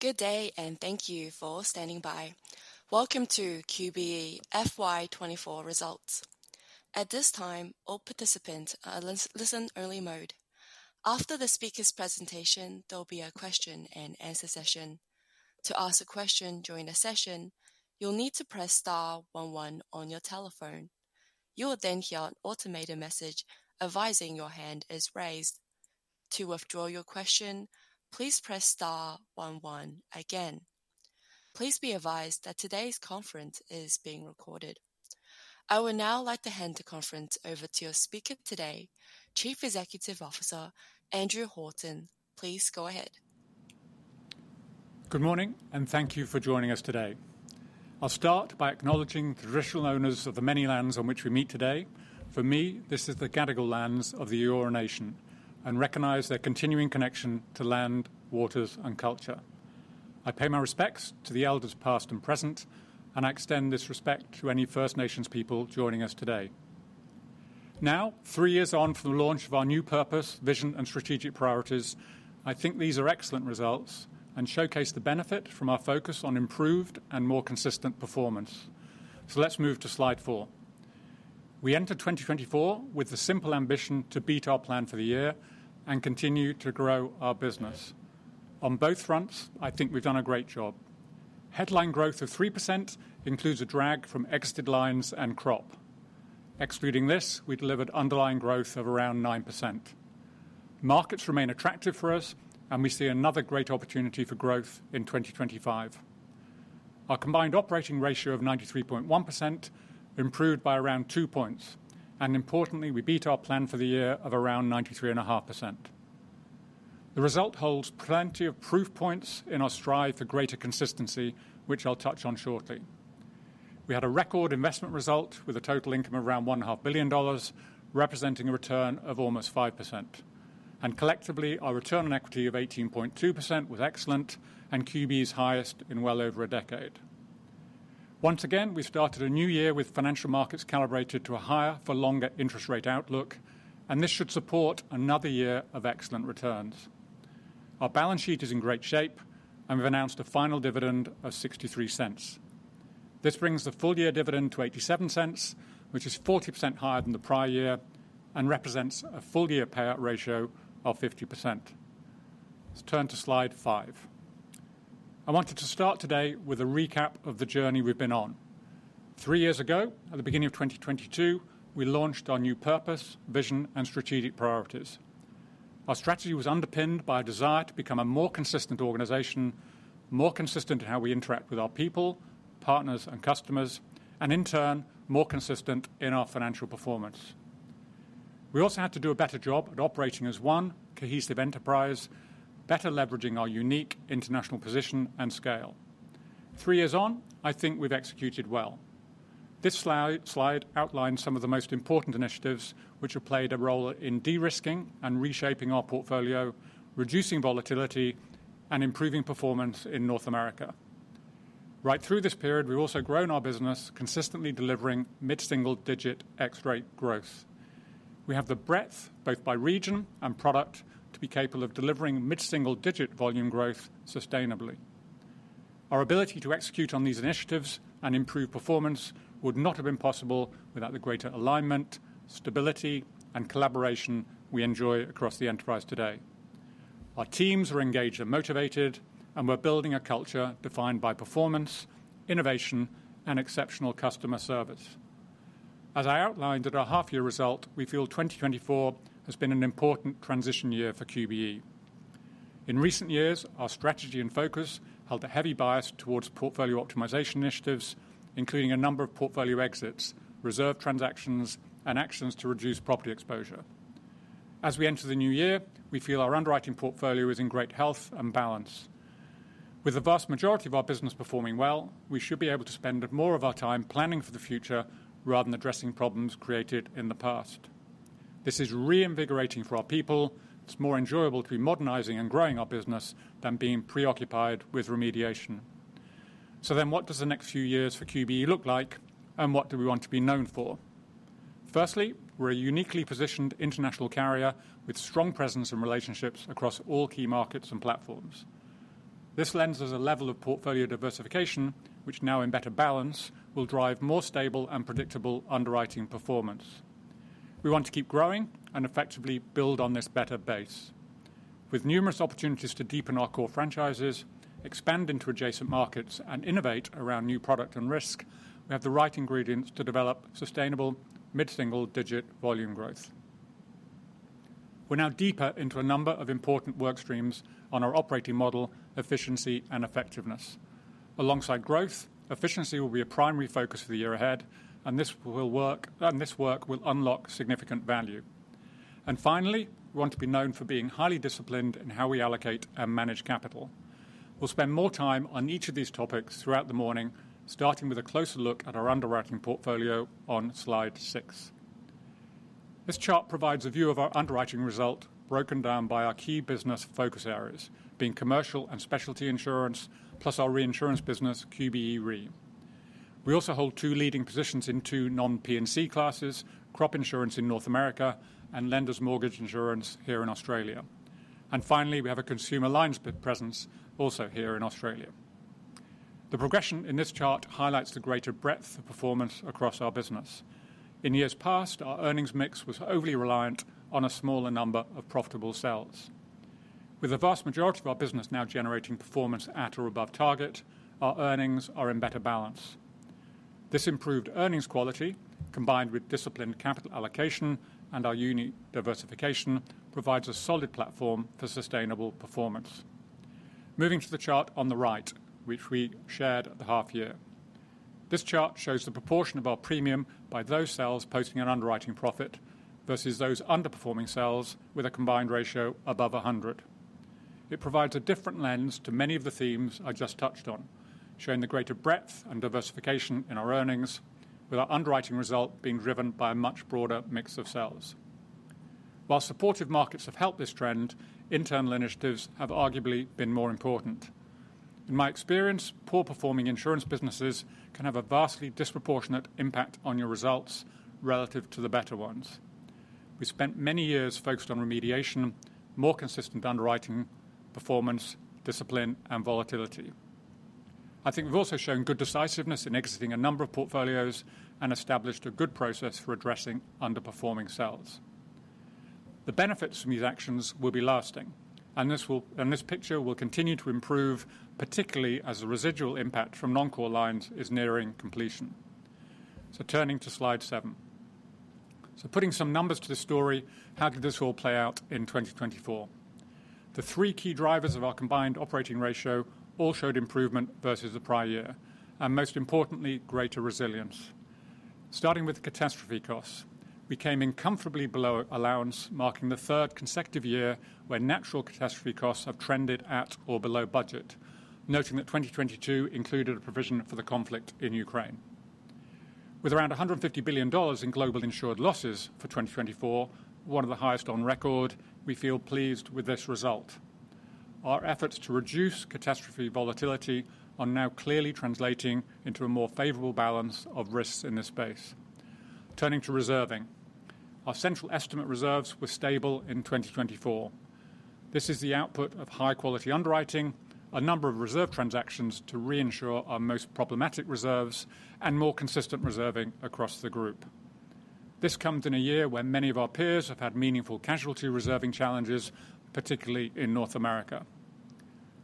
Good day, and thank you for standing by. Welcome to QBE FY 2024 results. At this time, all participants are in listen-only mode. After the speaker's presentation, there will be a question-and-answer session. To ask a question during the session, you'll need to press star one one on your telephone. You will then hear an automated message advising your hand is raised. To withdraw your question, please press star one one again. Please be advised that today's conference is being recorded. I would now like to hand the conference over to your speaker today, Chief Executive Officer Andrew Horton. Please go ahead. Good morning, and thank you for joining us today. I'll start by acknowledging the traditional owners of the many lands on which we meet today. For me, this is the Gadigal lands of the Eora Nation, and I recognize their continuing connection to land, waters, and culture. I pay my respects to the elders past and present, and I extend this respect to any First Nations people joining us today. Now, three years on from the launch of our new purpose, vision, and strategic priorities, I think these are excellent results and showcase the benefit from our focus on improved and more consistent performance. So let's move to slide four. We entered 2024 with the simple ambition to beat our plan for the year and continue to grow our business. On both fronts, I think we've done a great job. Headline growth of 3% includes a drag from exited lines and Crop. Excluding this, we delivered underlying growth of around 9%. Markets remain attractive for us, and we see another great opportunity for growth in 2025. Our combined operating ratio of 93.1% improved by around two points, and importantly, we beat our plan for the year of around 93.5%. The result holds plenty of proof points in our strive for greater consistency, which I'll touch on shortly. We had a record investment result with a total income of around $1.5 billion, representing a return of almost 5%. Collectively, our return on equity of 18.2% was excellent and QBE's highest in well over a decade. Once again, we've started a new year with financial markets calibrated to a higher-for-longer interest rate outlook, and this should support another year of excellent returns. Our balance sheet is in great shape, and we've announced a final dividend of $0.63. This brings the full-year dividend to $0.87, which is 40% higher than the prior year and represents a full-year payout ratio of 50%. Let's turn to slide five. I wanted to start today with a recap of the journey we've been on. Three years ago, at the beginning of 2022, we launched our new purpose, vision, and strategic priorities. Our strategy was underpinned by a desire to become a more consistent organization, more consistent in how we interact with our people, partners, and customers, and in turn, more consistent in our financial performance. We also had to do a better job at operating as one cohesive enterprise, better leveraging our unique international position and scale. Three years on, I think we've executed well. This slide outlines some of the most important initiatives which have played a role in de-risking and reshaping our portfolio, reducing volatility, and improving performance in North America. Right through this period, we've also grown our business, consistently delivering mid-single-digit ex-rate growth. We have the breadth, both by region and product, to be capable of delivering mid-single-digit volume growth sustainably. Our ability to execute on these initiatives and improve performance would not have been possible without the greater alignment, stability, and collaboration we enjoy across the enterprise today. Our teams are engaged and motivated, and we're building a culture defined by performance, innovation, and exceptional customer service. As I outlined at our half-year result, we feel 2024 has been an important transition year for QBE. In recent years, our strategy and focus held a heavy bias towards portfolio optimization initiatives, including a number of portfolio exits, reserve transactions, and actions to reduce property exposure. As we enter the new year, we feel our underwriting portfolio is in great health and balance. With the vast majority of our business performing well, we should be able to spend more of our time planning for the future rather than addressing problems created in the past. This is reinvigorating for our people. It's more enjoyable to be modernizing and growing our business than being preoccupied with remediation. So then, what does the next few years for QBE look like, and what do we want to be known for? Firstly, we're a uniquely positioned international carrier with strong presence and relationships across all key markets and platforms. This lends us a level of portfolio diversification which, now in better balance, will drive more stable and predictable underwriting performance. We want to keep growing and effectively build on this better base. With numerous opportunities to deepen our core franchises, expand into adjacent markets, and innovate around new product and risk, we have the right ingredients to develop sustainable mid-single-digit volume growth. We're now deeper into a number of important work streams on our operating model, efficiency and effectiveness. Alongside growth, efficiency will be a primary focus for the year ahead, and this work will unlock significant value, and finally, we want to be known for being highly disciplined in how we allocate and manage capital. We'll spend more time on each of these topics throughout the morning, starting with a closer look at our underwriting portfolio on slide six. This chart provides a view of our underwriting result broken down by our key business focus areas, being commercial and specialty insurance, plus our reinsurance business, QBE Re. We also hold two leading positions in two non-P&C classes: Crop insurance in North America and lenders' mortgage insurance here in Australia. And finally, we have a consumer lines presence also here in Australia. The progression in this chart highlights the greater breadth of performance across our business. In years past, our earnings mix was overly reliant on a smaller number of profitable sales. With the vast majority of our business now generating performance at or above target, our earnings are in better balance. This improved earnings quality, combined with disciplined capital allocation and our unique diversification, provides a solid platform for sustainable performance. Moving to the chart on the right, which we shared at the half-year. This chart shows the proportion of our premium by those sales posting an underwriting profit versus those underperforming sales with a combined ratio above 100. It provides a different lens to many of the themes I just touched on, showing the greater breadth and diversification in our earnings, with our underwriting result being driven by a much broader mix of sales. While supportive markets have helped this trend, internal initiatives have arguably been more important. In my experience, poor-performing insurance businesses can have a vastly disproportionate impact on your results relative to the better ones. We spent many years focused on remediation, more consistent underwriting, performance, discipline, and volatility. I think we've also shown good decisiveness in exiting a number of portfolios and established a good process for addressing underperforming sales. The benefits from these actions will be lasting, and this picture will continue to improve, particularly as the residual impact from non-core lines is nearing completion. So turning to slide seven. So putting some numbers to the story, how did this all play out in 2024? The three key drivers of our combined operating ratio all showed improvement versus the prior year, and most importantly, greater resilience. Starting with catastrophe costs, we came in comfortably below allowance, marking the third consecutive year where natural catastrophe costs have trended at or below budget, noting that 2022 included a provision for the conflict in Ukraine. With around $150 billion in global insured losses for 2024, one of the highest on record, we feel pleased with this result. Our efforts to reduce catastrophe volatility are now clearly translating into a more favorable balance of risks in this space. Turning to reserving, our central estimate reserves were stable in 2024. This is the output of high-quality underwriting, a number of reserve transactions to reinsure our most problematic reserves, and more consistent reserving across the group. This comes in a year where many of our peers have had meaningful casualty reserving challenges, particularly in North America.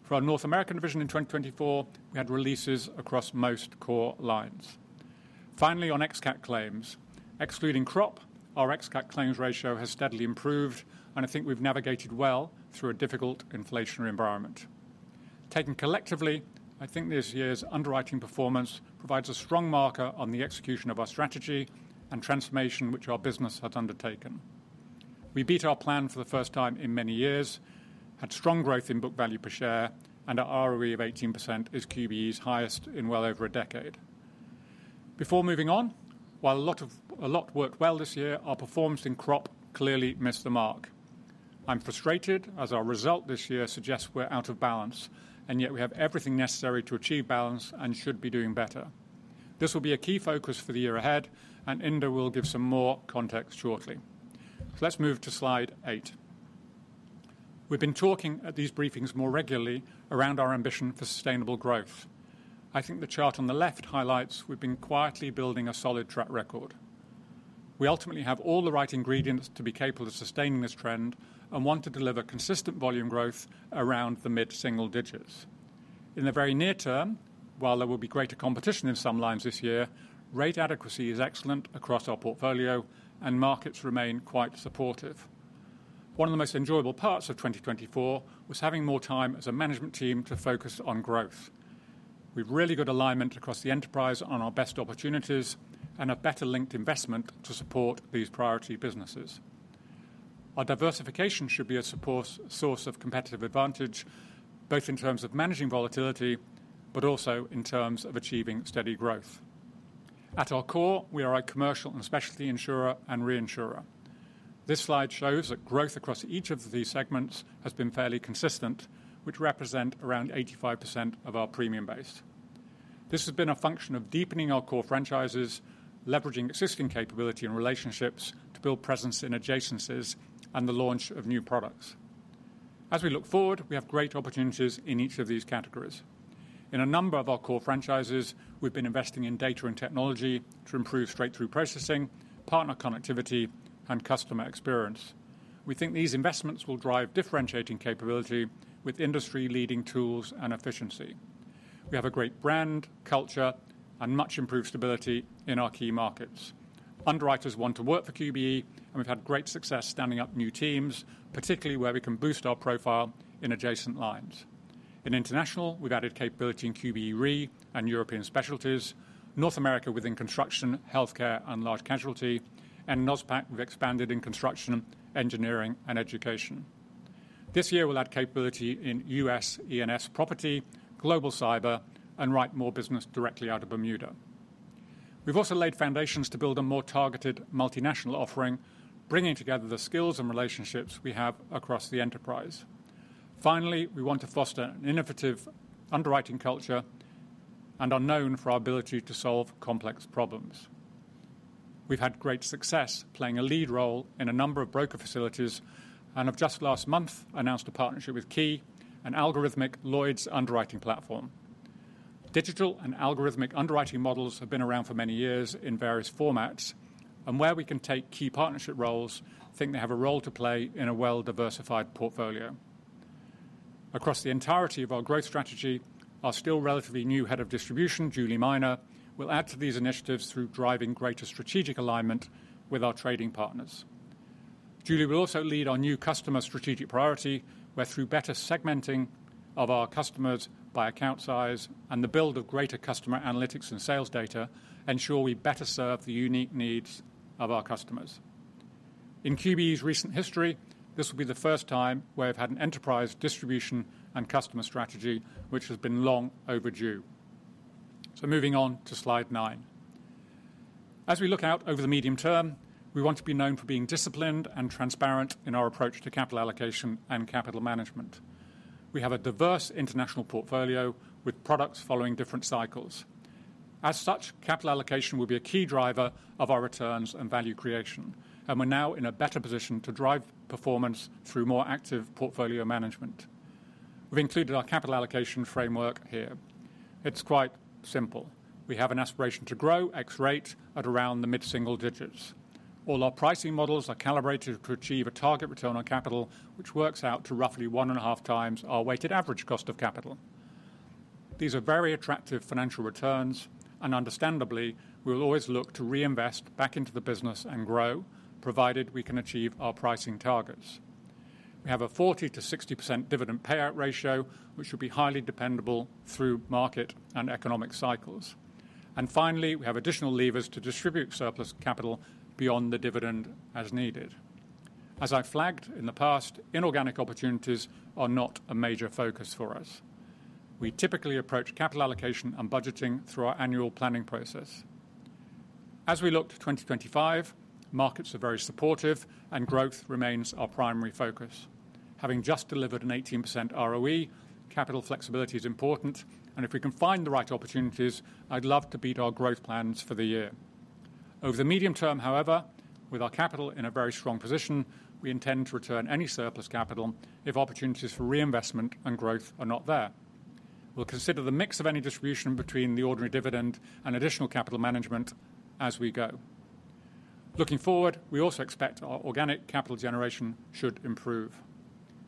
For our North American division in 2024, we had releases across most core lines. Finally, on ex-cat claims, excluding Crop, our ex-cat claims ratio has steadily improved, and I think we've navigated well through a difficult inflationary environment. Taken collectively, I think this year's underwriting performance provides a strong marker on the execution of our strategy and transformation which our business has undertaken. We beat our plan for the first time in many years, had strong growth in book value per share, and our ROE of 18% is QBE's highest in well over a decade. Before moving on, while a lot worked well this year, our performance in Crop clearly missed the mark. I'm frustrated as our result this year suggests we're out of balance, and yet we have everything necessary to achieve balance and should be doing better. This will be a key focus for the year ahead, and Inder will give some more context shortly. So let's move to slide eight. We've been talking at these briefings more regularly around our ambition for sustainable growth. I think the chart on the left highlights we've been quietly building a solid track record. We ultimately have all the right ingredients to be capable of sustaining this trend and want to deliver consistent volume growth around the mid-single digits. In the very near term, while there will be greater competition in some lines this year, rate adequacy is excellent across our portfolio, and markets remain quite supportive. One of the most enjoyable parts of 2024 was having more time as a management team to focus on growth. We've really got alignment across the enterprise on our best opportunities and a better linked investment to support these priority businesses. Our diversification should be a source of competitive advantage, both in terms of managing volatility, but also in terms of achieving steady growth. At our core, we are a commercial and specialty insurer and reinsurer. This slide shows that growth across each of these segments has been fairly consistent, which represents around 85% of our premium base. This has been a function of deepening our core franchises, leveraging existing capability and relationships to build presence in adjacencies and the launch of new products. As we look forward, we have great opportunities in each of these categories. In a number of our core franchises, we've been investing in data and technology to improve straight-through processing, partner connectivity, and customer experience. We think these investments will drive differentiating capability with industry-leading tools and efficiency. We have a great brand, culture, and much improved stability in our key markets. Underwriters want to work for QBE, and we've had great success standing up new teams, particularly where we can boost our profile in adjacent lines. In international, we've added capability in QBE Re and European specialties. North America within construction, healthcare, and large casualty, and AusPac we've expanded in construction, engineering, and education. This year, we'll add capability in U.S. E&S property, Global Cyber, and write more business directly out of Bermuda. We've also laid foundations to build a more targeted multinational offering, bringing together the skills and relationships we have across the enterprise. Finally, we want to foster an innovative underwriting culture and are known for our ability to solve complex problems. We've had great success playing a lead role in a number of broker facilities and have just last month announced a partnership with Ki, an algorithmic Lloyd's underwriting platform. Digital and algorithmic underwriting models have been around for many years in various formats, and where we can take key partnership roles, I think they have a role to play in a well-diversified portfolio. Across the entirety of our growth strategy, our still relatively new head of distribution, Julie Minor, will add to these initiatives through driving greater strategic alignment with our trading partners. Julie will also lead our new customer strategic priority, where through better segmenting of our customers by account size and the build of greater customer analytics and sales data, we ensure we better serve the unique needs of our customers. In QBE's recent history, this will be the first time where we've had an enterprise distribution and customer strategy which has been long overdue. So moving on to slide nine. As we look out over the medium term, we want to be known for being disciplined and transparent in our approach to capital allocation and capital management. We have a diverse international portfolio with products following different cycles. As such, capital allocation will be a key driver of our returns and value creation, and we're now in a better position to drive performance through more active portfolio management. We've included our capital allocation framework here. It's quite simple. We have an aspiration to grow ROE at around the mid-single digits. All our pricing models are calibrated to achieve a target return on capital, which works out to roughly one and a half times our weighted average cost of capital. These are very attractive financial returns, and understandably, we will always look to reinvest back into the business and grow, provided we can achieve our pricing targets. We have a 40%-60% dividend payout ratio, which will be highly dependable through market and economic cycles. And finally, we have additional levers to distribute surplus capital beyond the dividend as needed. As I've flagged in the past, inorganic opportunities are not a major focus for us. We typically approach capital allocation and budgeting through our annual planning process. As we look to 2025, markets are very supportive, and growth remains our primary focus. Having just delivered an 18% ROE, capital flexibility is important, and if we can find the right opportunities, I'd love to beat our growth plans for the year. Over the medium term, however, with our capital in a very strong position, we intend to return any surplus capital if opportunities for reinvestment and growth are not there. We'll consider the mix of any distribution between the ordinary dividend and additional capital management as we go. Looking forward, we also expect our organic capital generation should improve.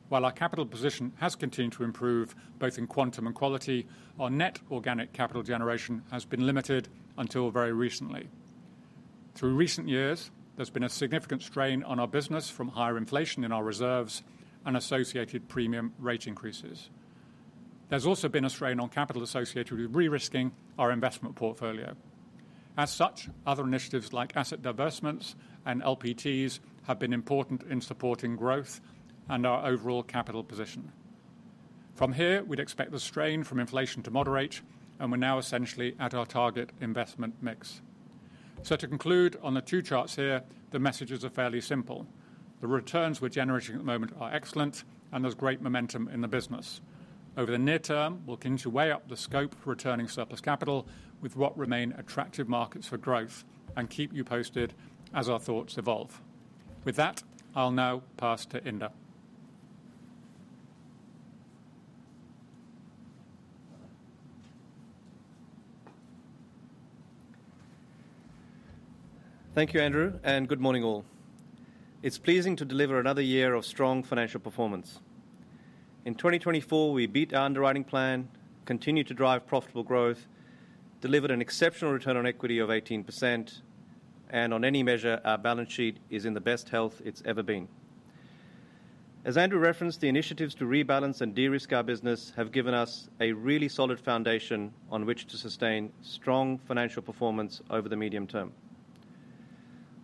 While our capital position has continued to improve both in quantum and quality, our net organic capital generation has been limited until very recently. Through recent years, there's been a significant strain on our business from higher inflation in our reserves and associated premium rate increases. There's also been a strain on capital associated with re-risking our investment portfolio. As such, other initiatives like asset divestments and LPTs have been important in supporting growth and our overall capital position. From here, we'd expect the strain from inflation to moderate, and we're now essentially at our target investment mix. So to conclude on the two charts here, the messages are fairly simple. The returns we're generating at the moment are excellent, and there's great momentum in the business. Over the near term, we'll continue to weigh up the scope for returning surplus capital with what remain attractive markets for growth and keep you posted as our thoughts evolve. With that, I'll now pass to Inder. Thank you, Andrew, and good morning, all. It's pleasing to deliver another year of strong financial performance. In 2024, we beat our underwriting plan, continued to drive profitable growth, delivered an exceptional return on equity of 18%, and on any measure, our balance sheet is in the best health it's ever been. As Andrew referenced, the initiatives to rebalance and de-risk our business have given us a really solid foundation on which to sustain strong financial performance over the medium term.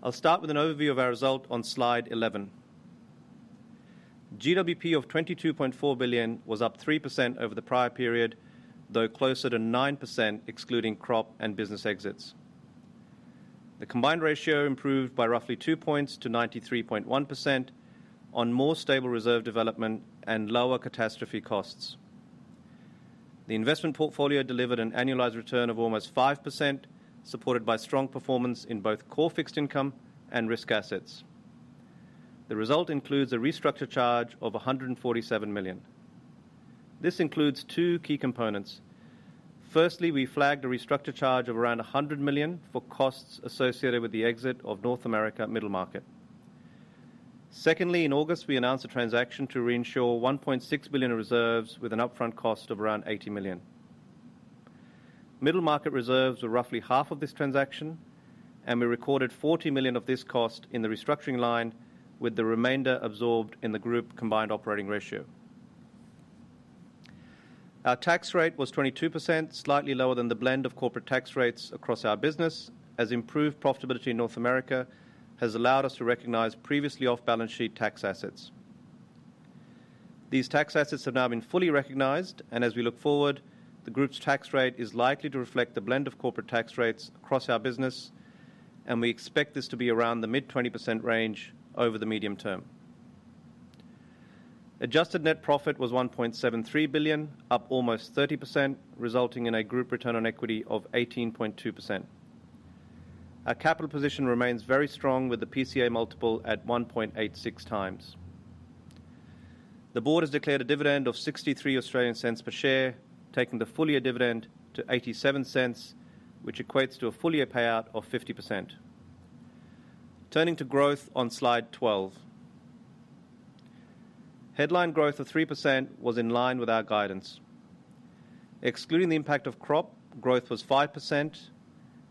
I'll start with an overview of our result on slide 11. GWP of $22.4 billion was up 3% over the prior period, though closer to 9% excluding Crop and business exits. The combined ratio improved by roughly two points to 93.1% on more stable reserve development and lower catastrophe costs. The investment portfolio delivered an annualized return of almost 5%, supported by strong performance in both core fixed income and risk assets. The result includes a restructure charge of $147 million. This includes two key components. Firstly, we flagged a restructure charge of around $100 million for costs associated with the exit of North America Middle Market. Secondly, in August, we announced a transaction to reinsure $1.6 billion reserves with an upfront cost of around $80 million. Middle Market reserves were roughly half of this transaction, and we recorded $40 million of this cost in the restructuring line, with the remainder absorbed in the group combined operating ratio. Our tax rate was 22%, slightly lower than the blend of corporate tax rates across our business, as improved profitability in North America has allowed us to recognize previously off-balance sheet tax assets. These tax assets have now been fully recognized, and as we look forward, the group's tax rate is likely to reflect the blend of corporate tax rates across our business, and we expect this to be around the mid-20% range over the medium term. Adjusted net profit was $1.73 billion, up almost 30%, resulting in a group return on equity of 18.2%. Our capital position remains very strong, with the PCA multiple at 1.86x. The board has declared a dividend of 0.63 per share, taking the full year dividend to 0.87, which equates to a full year payout of 50%. Turning to growth on slide 12. Headline growth of 3% was in line with our guidance. Excluding the impact of Crop, growth was 5%,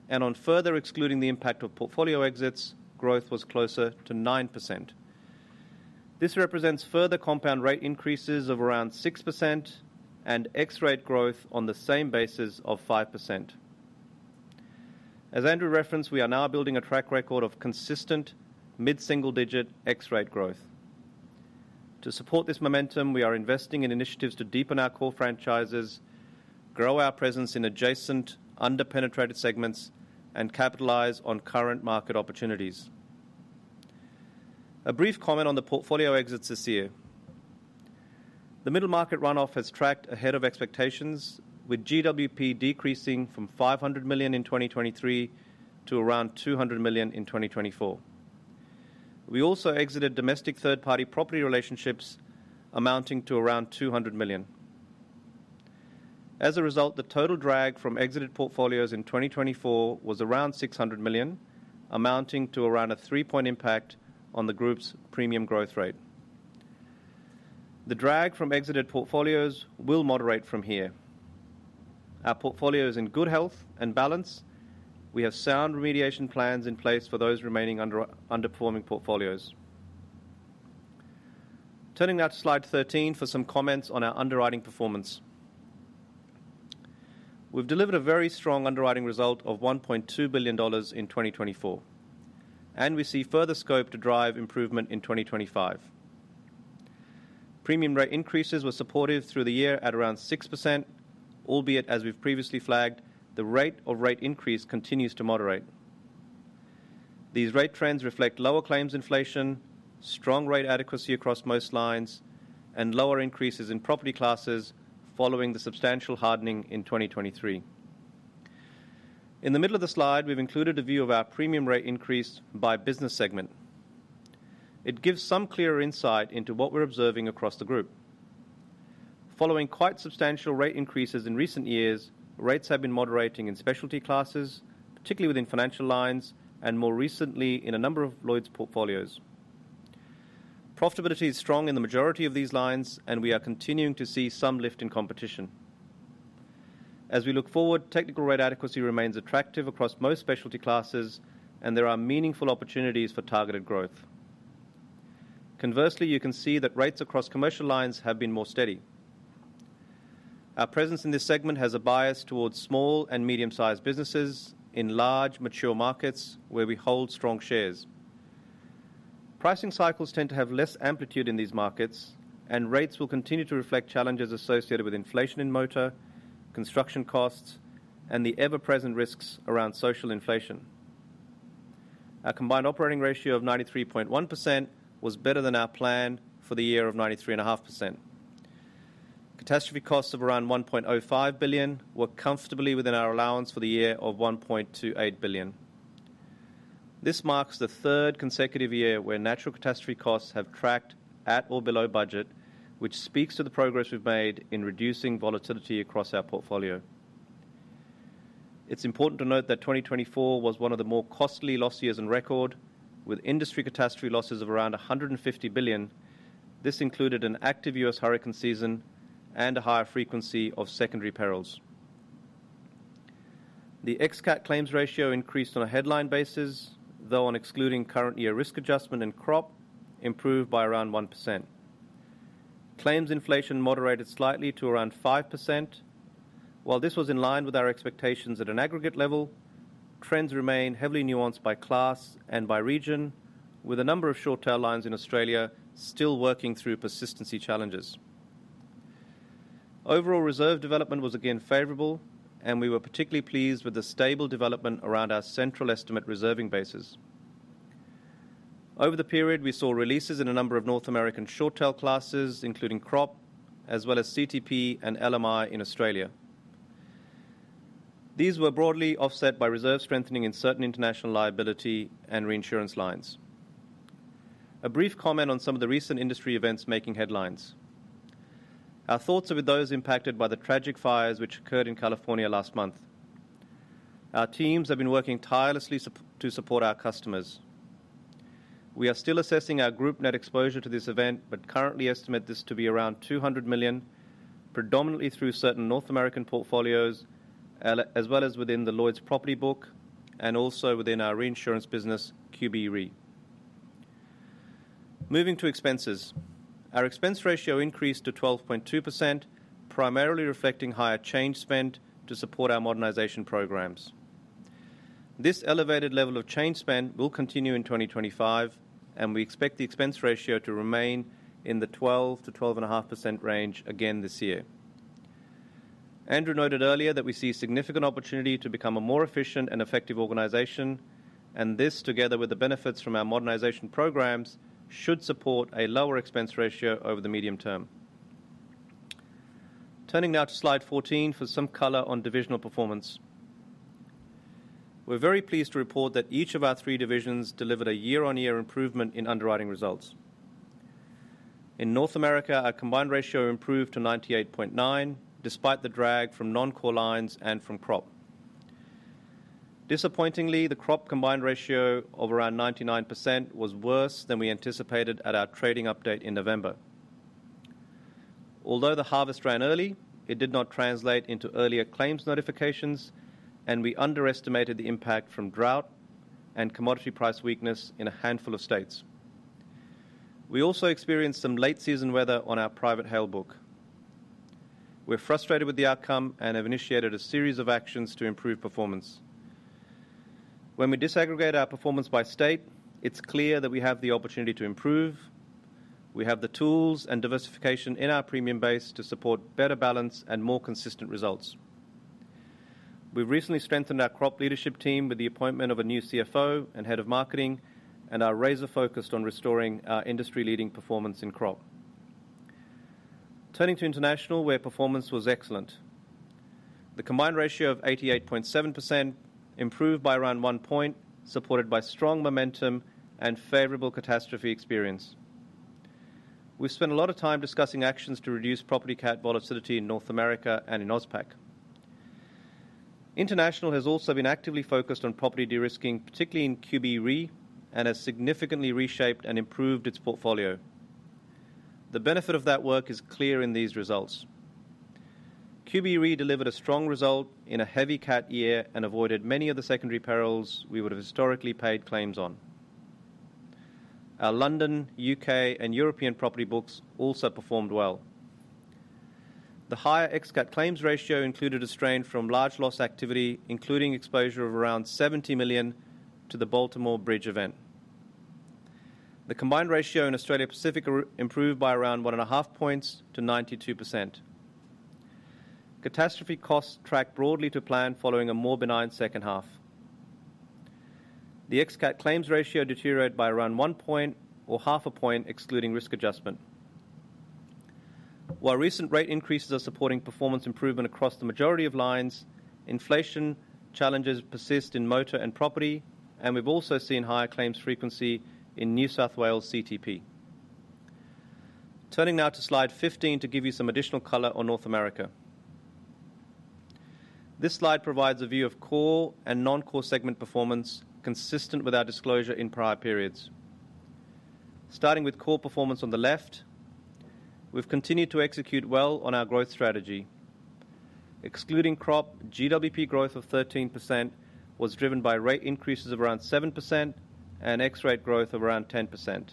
and on further excluding the impact of portfolio exits, growth was closer to 9%. This represents further compound rate increases of around 6% and ex-rate growth on the same basis of 5%. As Andrew referenced, we are now building a track record of consistent mid-single digit ex-rate growth. To support this momentum, we are investing in initiatives to deepen our core franchises, grow our presence in adjacent under-penetrated segments, and capitalize on current market opportunities. A brief comment on the portfolio exits this year. The middle market run-off has tracked ahead of expectations, with GWP decreasing from $500 million in 2023 to around $200 million in 2024. We also exited domestic third-party property relationships amounting to around $200 million. As a result, the total drag from exited portfolios in 2024 was around $600 million, amounting to around a three-point impact on the group's premium growth rate. The drag from exited portfolios will moderate from here. Our portfolio is in good health and balance. We have sound remediation plans in place for those remaining underperforming portfolios. Turning now to slide 13 for some comments on our underwriting performance. We've delivered a very strong underwriting result of $1.2 billion in 2024, and we see further scope to drive improvement in 2025. Premium rate increases were supportive through the year at around 6%, albeit, as we've previously flagged, the rate of rate increase continues to moderate. These rate trends reflect lower claims inflation, strong rate adequacy across most lines, and lower increases in property classes following the substantial hardening in 2023. In the middle of the slide, we've included a view of our premium rate increase by business segment. It gives some clearer insight into what we're observing across the group. Following quite substantial rate increases in recent years, rates have been moderating in specialty classes, particularly within financial lines, and more recently in a number of Lloyd's portfolios. Profitability is strong in the majority of these lines, and we are continuing to see some lift in competition. As we look forward, technical rate adequacy remains attractive across most specialty classes, and there are meaningful opportunities for targeted growth. Conversely, you can see that rates across commercial lines have been more steady. Our presence in this segment has a bias towards small and medium-sized businesses in large, mature markets where we hold strong shares. Pricing cycles tend to have less amplitude in these markets, and rates will continue to reflect challenges associated with inflation in motor, construction costs, and the ever-present risks around social inflation. Our combined operating ratio of 93.1% was better than our plan for the year of 93.5%. Catastrophe costs of around $1.05 billion were comfortably within our allowance for the year of $1.28 billion. This marks the third consecutive year where natural catastrophe costs have tracked at or below budget, which speaks to the progress we've made in reducing volatility across our portfolio. It's important to note that 2024 was one of the more costly loss years on record, with industry catastrophe losses of around $150 billion. This included an active U.S. hurricane season and a higher frequency of secondary perils. The ex-cat claims ratio increased on a headline basis, though on excluding current year risk adjustment and Crop, improved by around 1%. Claims inflation moderated slightly to around 5%. While this was in line with our expectations at an aggregate level, trends remain heavily nuanced by class and by region, with a number of short-term lines in Australia still working through persistency challenges. Overall reserve development was again favorable, and we were particularly pleased with the stable development around our central estimate reserving basis. Over the period, we saw releases in a number of North American short-term classes, including Crop, as well as CTP and LMI in Australia. These were broadly offset by reserve strengthening in certain international liability and reinsurance lines. A brief comment on some of the recent industry events making headlines. Our thoughts are with those impacted by the tragic fires which occurred in California last month. Our teams have been working tirelessly to support our customers. We are still assessing our group net exposure to this event, but currently estimate this to be around $200 million, predominantly through certain North American portfolios, as well as within the Lloyd's property book and also within our reinsurance business, QBE. Moving to expenses. Our expense ratio increased to 12.2%, primarily reflecting higher change spend to support our modernization programs. This elevated level of change spend will continue in 2025, and we expect the expense ratio to remain in the 12%-12.5% range again this year. Andrew noted earlier that we see significant opportunity to become a more efficient and effective organization, and this, together with the benefits from our modernization programs, should support a lower expense ratio over the medium term. Turning now to slide 14 for some color on divisional performance. We're very pleased to report that each of our three divisions delivered a year-on-year improvement in underwriting results. In North America, our combined ratio improved to 98.9, despite the drag from non-core lines and from Crop. Disappointingly, the Crop combined ratio of around 99% was worse than we anticipated at our trading update in November. Although the harvest ran early, it did not translate into earlier claims notifications, and we underestimated the impact from drought and commodity price weakness in a handful of states. We also experienced some late-season weather on our private hail book. We're frustrated with the outcome and have initiated a series of actions to improve performance. When we disaggregate our performance by state, it's clear that we have the opportunity to improve. We have the tools and diversification in our premium base to support better balance and more consistent results. We've recently strengthened our Crop leadership team with the appointment of a new CFO and head of marketing, and our laser focused on restoring our industry-leading performance in Crop. Turning to international, where performance was excellent. The combined ratio of 88.7% improved by around one point, supported by strong momentum and favorable catastrophe experience. We've spent a lot of time discussing actions to reduce property cat volatility in North America and in AusPac. International has also been actively focused on property de-risking, particularly in QBE Re, and has significantly reshaped and improved its portfolio. The benefit of that work is clear in these results. QBE Re delivered a strong result in a heavy cat year and avoided many of the secondary perils we would have historically paid claims on. Our London, U.K., and European property books also performed well. The higher ex-cat claims ratio included a strain from large loss activity, including exposure of around $70 million to the Baltimore Bridge event. The combined ratio in Australia Pacific improved by around one and a half points to 92%. Catastrophe costs tracked broadly to plan following a more benign second half. The ex-cat claims ratio deteriorated by around one point or half a point, excluding risk adjustment. While recent rate increases are supporting performance improvement across the majority of lines, inflation challenges persist in motor and property, and we've also seen higher claims frequency in New South Wales CTP. Turning now to slide 15 to give you some additional color on North America. This slide provides a view of core and non-core segment performance consistent with our disclosure in prior periods. Starting with core performance on the left, we've continued to execute well on our growth strategy. Excluding Crop, GWP growth of 13% was driven by rate increases of around 7% and ex-rate growth of around 10%.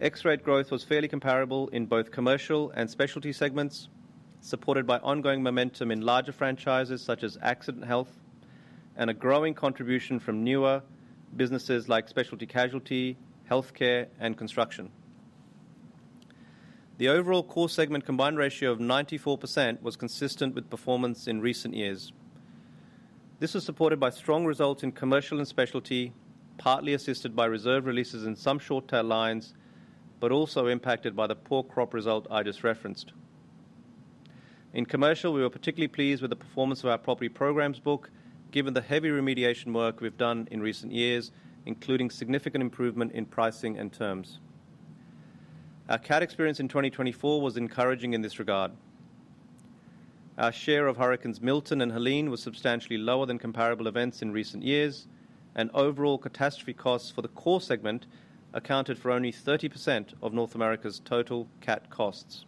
ex-rate growth was fairly comparable in both commercial and specialty segments, supported by ongoing momentum in larger franchises such as Accident & Health and a growing contribution from newer businesses like specialty casualty, healthcare, and construction. The overall core segment combined ratio of 94% was consistent with performance in recent years. This was supported by strong results in commercial and specialty, partly assisted by reserve releases in some short-term lines, but also impacted by the poor Crop result I just referenced. In commercial, we were particularly pleased with the performance of our property programs book, given the heavy remediation work we've done in recent years, including significant improvement in pricing and terms. Our cat experience in 2024 was encouraging in this regard. Our share of hurricanes Milton and Helene was substantially lower than comparable events in recent years, and overall catastrophe costs for the core segment accounted for only 30% of North America's total cat costs.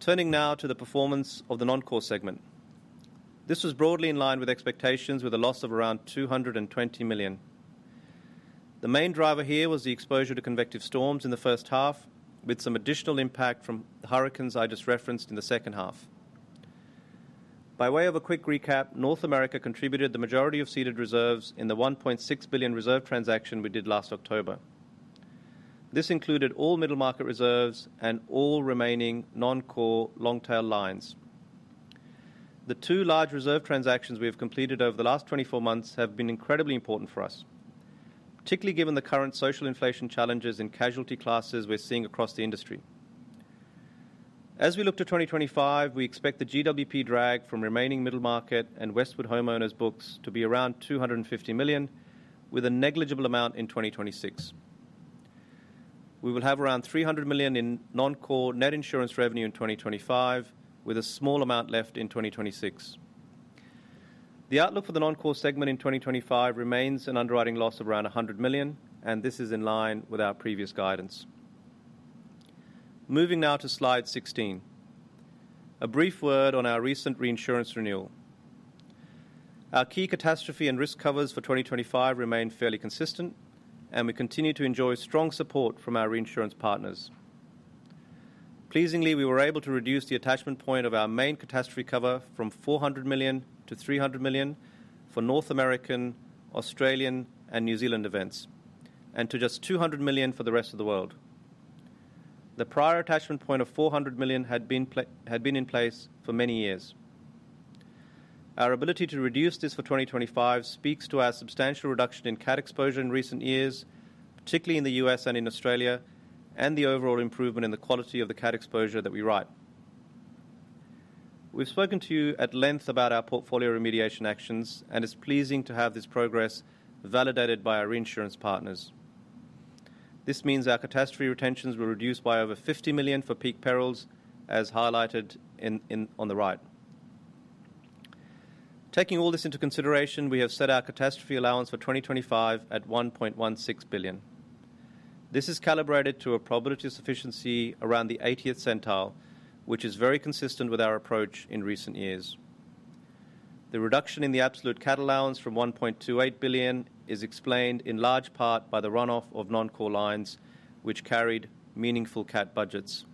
Turning now to the performance of the non-core segment. This was broadly in line with expectations, with a loss of around $220 million. The main driver here was the exposure to convective storms in the first half, with some additional impact from the hurricanes I just referenced in the second half. By way of a quick recap, North America contributed the majority of ceded reserves in the $1.6 billion reserve transaction we did last October. This included all middle market reserves and all remaining non-core long-tail lines. The two large reserve transactions we have completed over the last 24 months have been incredibly important for us, particularly given the current social inflation challenges in casualty classes we're seeing across the industry. As we look to 2025, we expect the GWP drag from remaining middle market and Westwood homeowners books to be around $250 million, with a negligible amount in 2026. We will have around $300 million in non-core net insurance revenue in 2025, with a small amount left in 2026. The outlook for the non-core segment in 2025 remains an underwriting loss of around $100 million, and this is in line with our previous guidance. Moving now to slide 16. A brief word on our recent reinsurance renewal. Our key catastrophe and risk covers for 2025 remain fairly consistent, and we continue to enjoy strong support from our reinsurance partners. Pleasingly, we were able to reduce the attachment point of our main catastrophe cover from $400 million to $300 million for North American, Australian, and New Zealand events, and to just $200 million for the rest of the world. The prior attachment point of $400 million had been in place for many years. Our ability to reduce this for 2025 speaks to our substantial reduction in cat exposure in recent years, particularly in the U.S. and in Australia, and the overall improvement in the quality of the cat exposure that we write. We've spoken to you at length about our portfolio remediation actions, and it's pleasing to have this progress validated by our reinsurance partners. This means our catastrophe retentions were reduced by over $50 million for peak perils, as highlighted on the right. Taking all this into consideration, we have set our catastrophe allowance for 2025 at $1.16 billion. This is calibrated to a probability of sufficiency around the 80th percentile, which is very consistent with our approach in recent years. The reduction in the absolute cat allowance from $1.28 billion is explained in large part by the runoff of non-core lines, which carried meaningful cat budgets.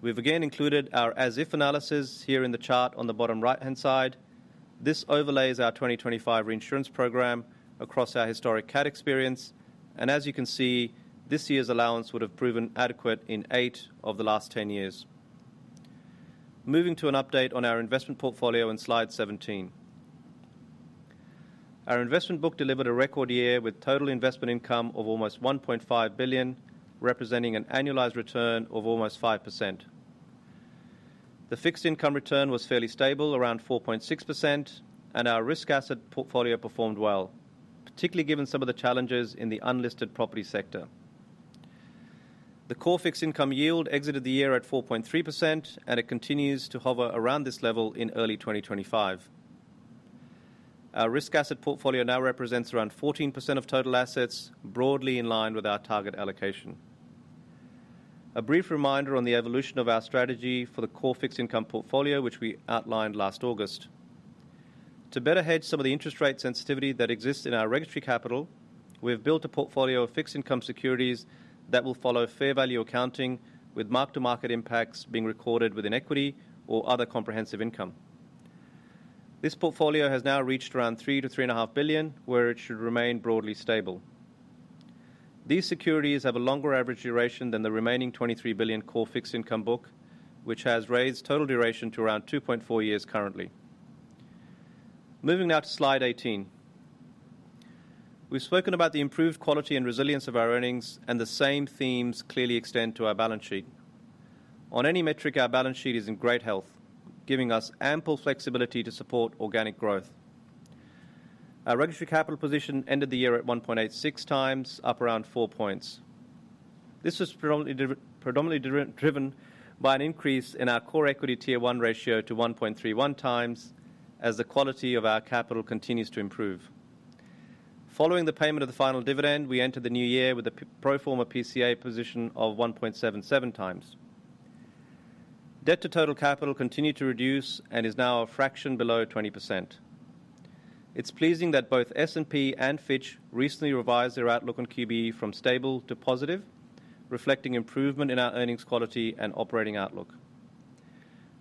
We've again included our as-if analysis here in the chart on the bottom right-hand side. This overlays our 2025 reinsurance program across our historic cat experience, and as you can see, this year's allowance would have proven adequate in eight of the last 10 years. Moving to an update on our investment portfolio in slide 17. Our investment book delivered a record year with total investment income of almost $1.5 billion, representing an annualized return of almost 5%. The fixed income return was fairly stable, around 4.6%, and our risk asset portfolio performed well, particularly given some of the challenges in the unlisted property sector. The core fixed income yield exited the year at 4.3%, and it continues to hover around this level in early 2025. Our risk asset portfolio now represents around 14% of total assets, broadly in line with our target allocation. A brief reminder on the evolution of our strategy for the core fixed income portfolio, which we outlined last August. To better hedge some of the interest rate sensitivity that exists in our regulatory capital, we've built a portfolio of fixed income securities that will follow fair value accounting, with mark-to-market impacts being recorded within equity or other comprehensive income. This portfolio has now reached around $3 billion-3.5 billion, where it should remain broadly stable. These securities have a longer average duration than the remaining $23 billion core fixed income book, which has raised total duration to around 2.4 years currently. Moving now to slide 18. We've spoken about the improved quality and resilience of our earnings, and the same themes clearly extend to our balance sheet. On any metric, our balance sheet is in great health, giving us ample flexibility to support organic growth. Our regulatory capital position ended the year at 1.86x, up around four points. This was predominantly driven by an increase in our Core Equity Tier 1 ratio to 1.31x, as the quality of our capital continues to improve. Following the payment of the final dividend, we entered the new year with a pro forma PCA position of 1.77x. Debt to total capital continued to reduce and is now a fraction below 20%. It's pleasing that both S&P and Fitch recently revised their outlook on QBE from stable to positive, reflecting improvement in our earnings quality and operating outlook.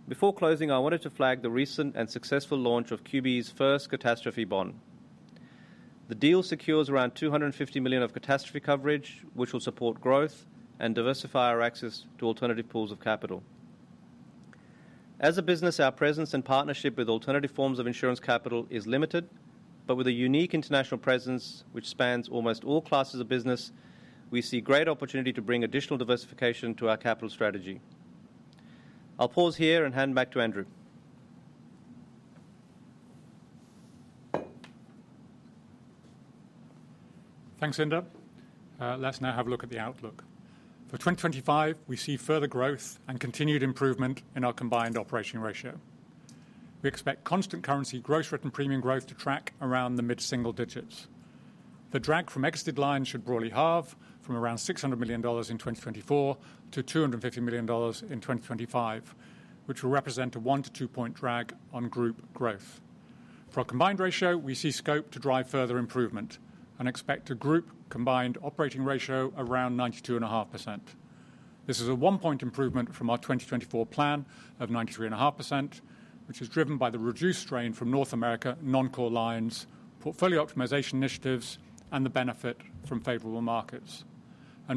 Before closing, I wanted to flag the recent and successful launch of QBE's first catastrophe bond. The deal secures around $250 million of catastrophe coverage, which will support growth and diversify our access to alternative pools of capital. As a business, our presence and partnership with alternative forms of insurance capital is limited, but with a unique international presence, which spans almost all classes of business, we see great opportunity to bring additional diversification to our capital strategy. I'll pause here and hand back to Andrew. Thanks, Inder. Let's now have a look at the outlook. For 2025, we see further growth and continued improvement in our combined operating ratio. We expect constant currency gross written premium growth to track around the mid-single digits. The drag from exited lines should broadly halve from around $600 million in 2024 to $250 million in 2025, which will represent a one- to two-point drag on group growth. For our combined ratio, we see scope to drive further improvement and expect a group combined operating ratio around 92.5%. This is a one-point improvement from our 2024 plan of 93.5%, which is driven by the reduced strain from North America non-core lines, portfolio optimization initiatives, and the benefit from favorable markets.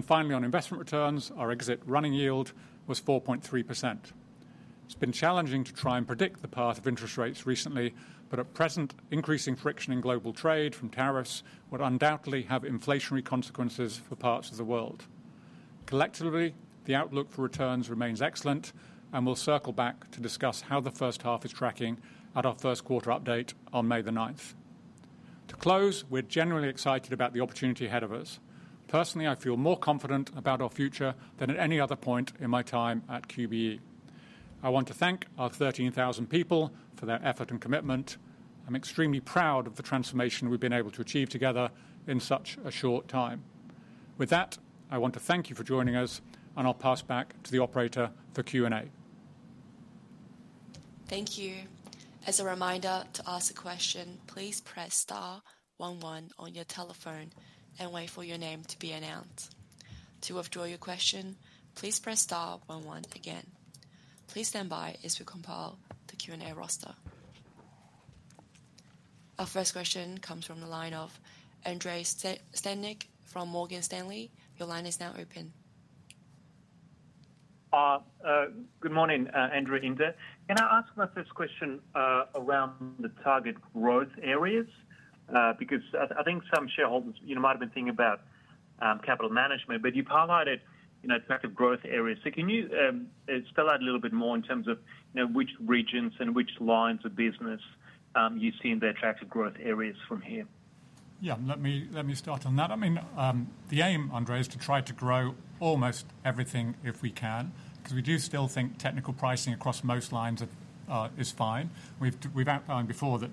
Finally, on investment returns, our exit running yield was 4.3%. It's been challenging to try and predict the path of interest rates recently, but at present, increasing friction in global trade from tariffs would undoubtedly have inflationary consequences for parts of the world. Collectively, the outlook for returns remains excellent, and we'll circle back to discuss how the first half is tracking at our first quarter update on May the 9th. To close, we're genuinely excited about the opportunity ahead of us. Personally, I feel more confident about our future than at any other point in my time at QBE. I want to thank our 13,000 people for their effort and commitment. I'm extremely proud of the transformation we've been able to achieve together in such a short time. With that, I want to thank you for joining us, and I'll pass back to the operator for Q&A. Thank you. As a reminder to ask a question, please press star one one on your telephone and wait for your name to be announced. To withdraw your question, please press star one one again. Please stand by as we compile the Q&A roster. Our first question comes from the line of Andrei Stadnik from Morgan Stanley. Your line is now open. Good morning, Andrei Inder. Can I ask my first question around the target growth areas? Because I think some shareholders might have been thinking about capital management, but you've highlighted attractive growth areas. So can you spell out a little bit more in terms of which regions and which lines of business you see in the attractive growth areas from here? Yeah, let me start on that. I mean, the aim, Andrei, is to try to grow almost everything if we can, because we do still think technical pricing across most lines is fine. We've outlined before that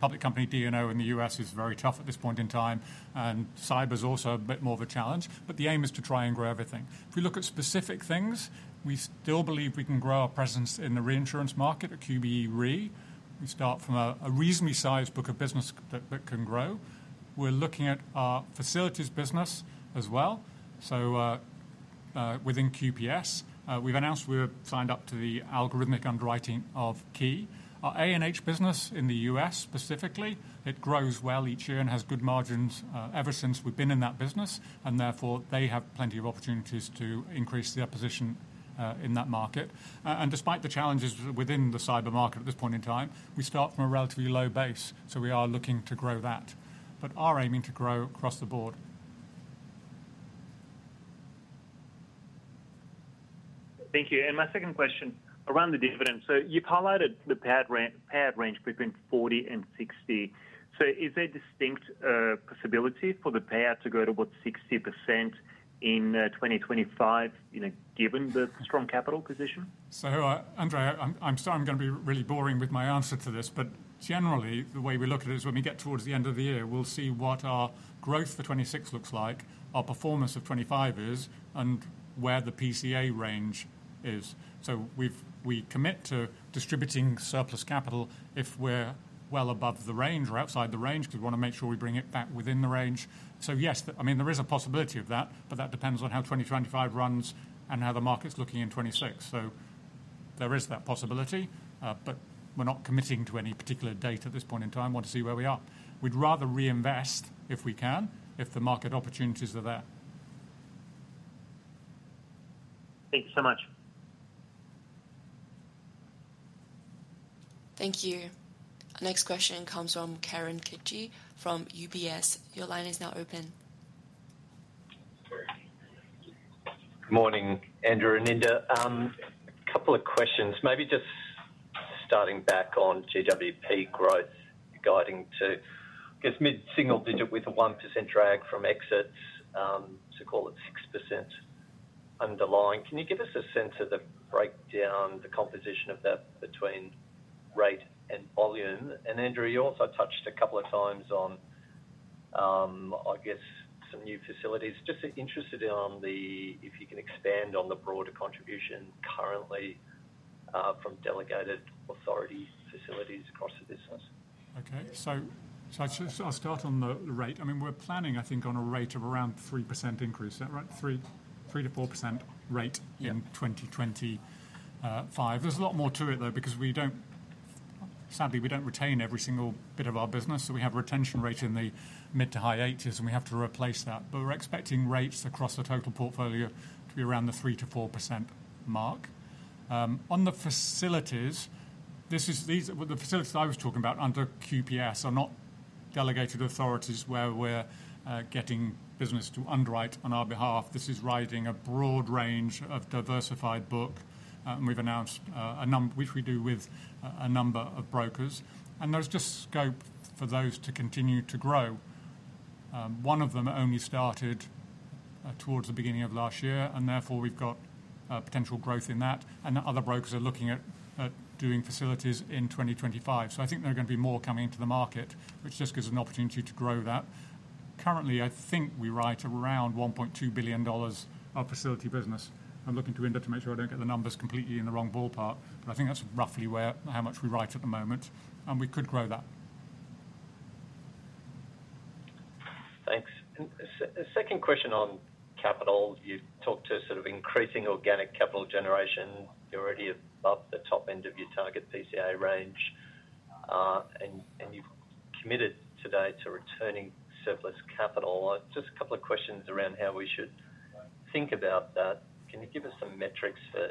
public company D&O in the U.S. is very tough at this point in time, and cyber is also a bit more of a challenge. But the aim is to try and grow everything. If we look at specific things, we still believe we can grow our presence in the reinsurance market at QBE Re. We start from a reasonably sized book of business that can grow. We're looking at our facilities business as well. So within QPS, we've announced we're signed up to the algorithmic underwriting of Ki. Our A&H business in the U.S. specifically, it grows well each year and has good margins ever since we've been in that business, and therefore they have plenty of opportunities to increase their position in that market. And despite the challenges within the cyber market at this point in time, we start from a relatively low base, so we are looking to grow that, but are aiming to grow across the board. Thank you. And my second question around the dividend. So you've highlighted the payout range between 40 and 60. Is there a distinct possibility for the payout to go to about 60% in 2025, given the strong capital position? Andrei, I'm sorry. I'm going to be really boring with my answer to this, but generally, the way we look at it is when we get towards the end of the year, we'll see what our growth for 2026 looks like, our performance of 2025 is, and where the PCA range is. We commit to distributing surplus capital if we're well above the range or outside the range, because we want to make sure we bring it back within the range. Yes, I mean, there is a possibility of that, but that depends on how 2025 runs and how the market's looking in 2026. There is that possibility, but we're not committing to any particular date at this point in time. We want to see where we are. We'd rather reinvest if we can, if the market opportunities are there. Thank you so much. Thank you. Our next question comes from Kieren Chidgey from UBS. Your line is now open. Good morning, Andrew and Inder. A couple of questions, maybe just starting back on GWP growth guiding to, I guess, mid-single digit with a 1% drag from exits, so call it 6% underlying. Can you give us a sense of the breakdown, the composition of that between rate and volume? And Andrew, you also touched a couple of times on, I guess, some new facilities. Just interested in if you can expand on the broader contribution currently from delegated authority facilities across the business. Okay, so I'll start on the rate. I mean, we're planning, I think, on a rate of around 3% increase, is that right? 3%-4% rate in 2025. There's a lot more to it, though, because we don't, sadly, we don't retain every single bit of our business. So we have a retention rate in the mid- to high-80s, and we have to replace that. But we're expecting rates across the total portfolio to be around the 3%-4% mark. On the facilities, the facilities I was talking about under QPS are not delegated authorities where we're getting business to underwrite on our behalf. This is riding a broad range of diversified book, and we've announced a number, which we do with a number of brokers. And there's just scope for those to continue to grow. One of them only started towards the beginning of last year, and therefore we've got potential growth in that. And the other brokers are looking at doing facilities in 2025. So I think there are going to be more coming into the market, which just gives an opportunity to grow that. Currently, I think we write around $1.2 billion of facility business. I'm looking to Inder to make sure I don't get the numbers completely in the wrong ballpark, but I think that's roughly how much we write at the moment, and we could grow that. Thanks. Second question on capital. You talked to sort of increasing organic capital generation. You're already above the top end of your target PCA range, and you've committed today to returning surplus capital. Just a couple of questions around how we should think about that. Can you give us some metrics for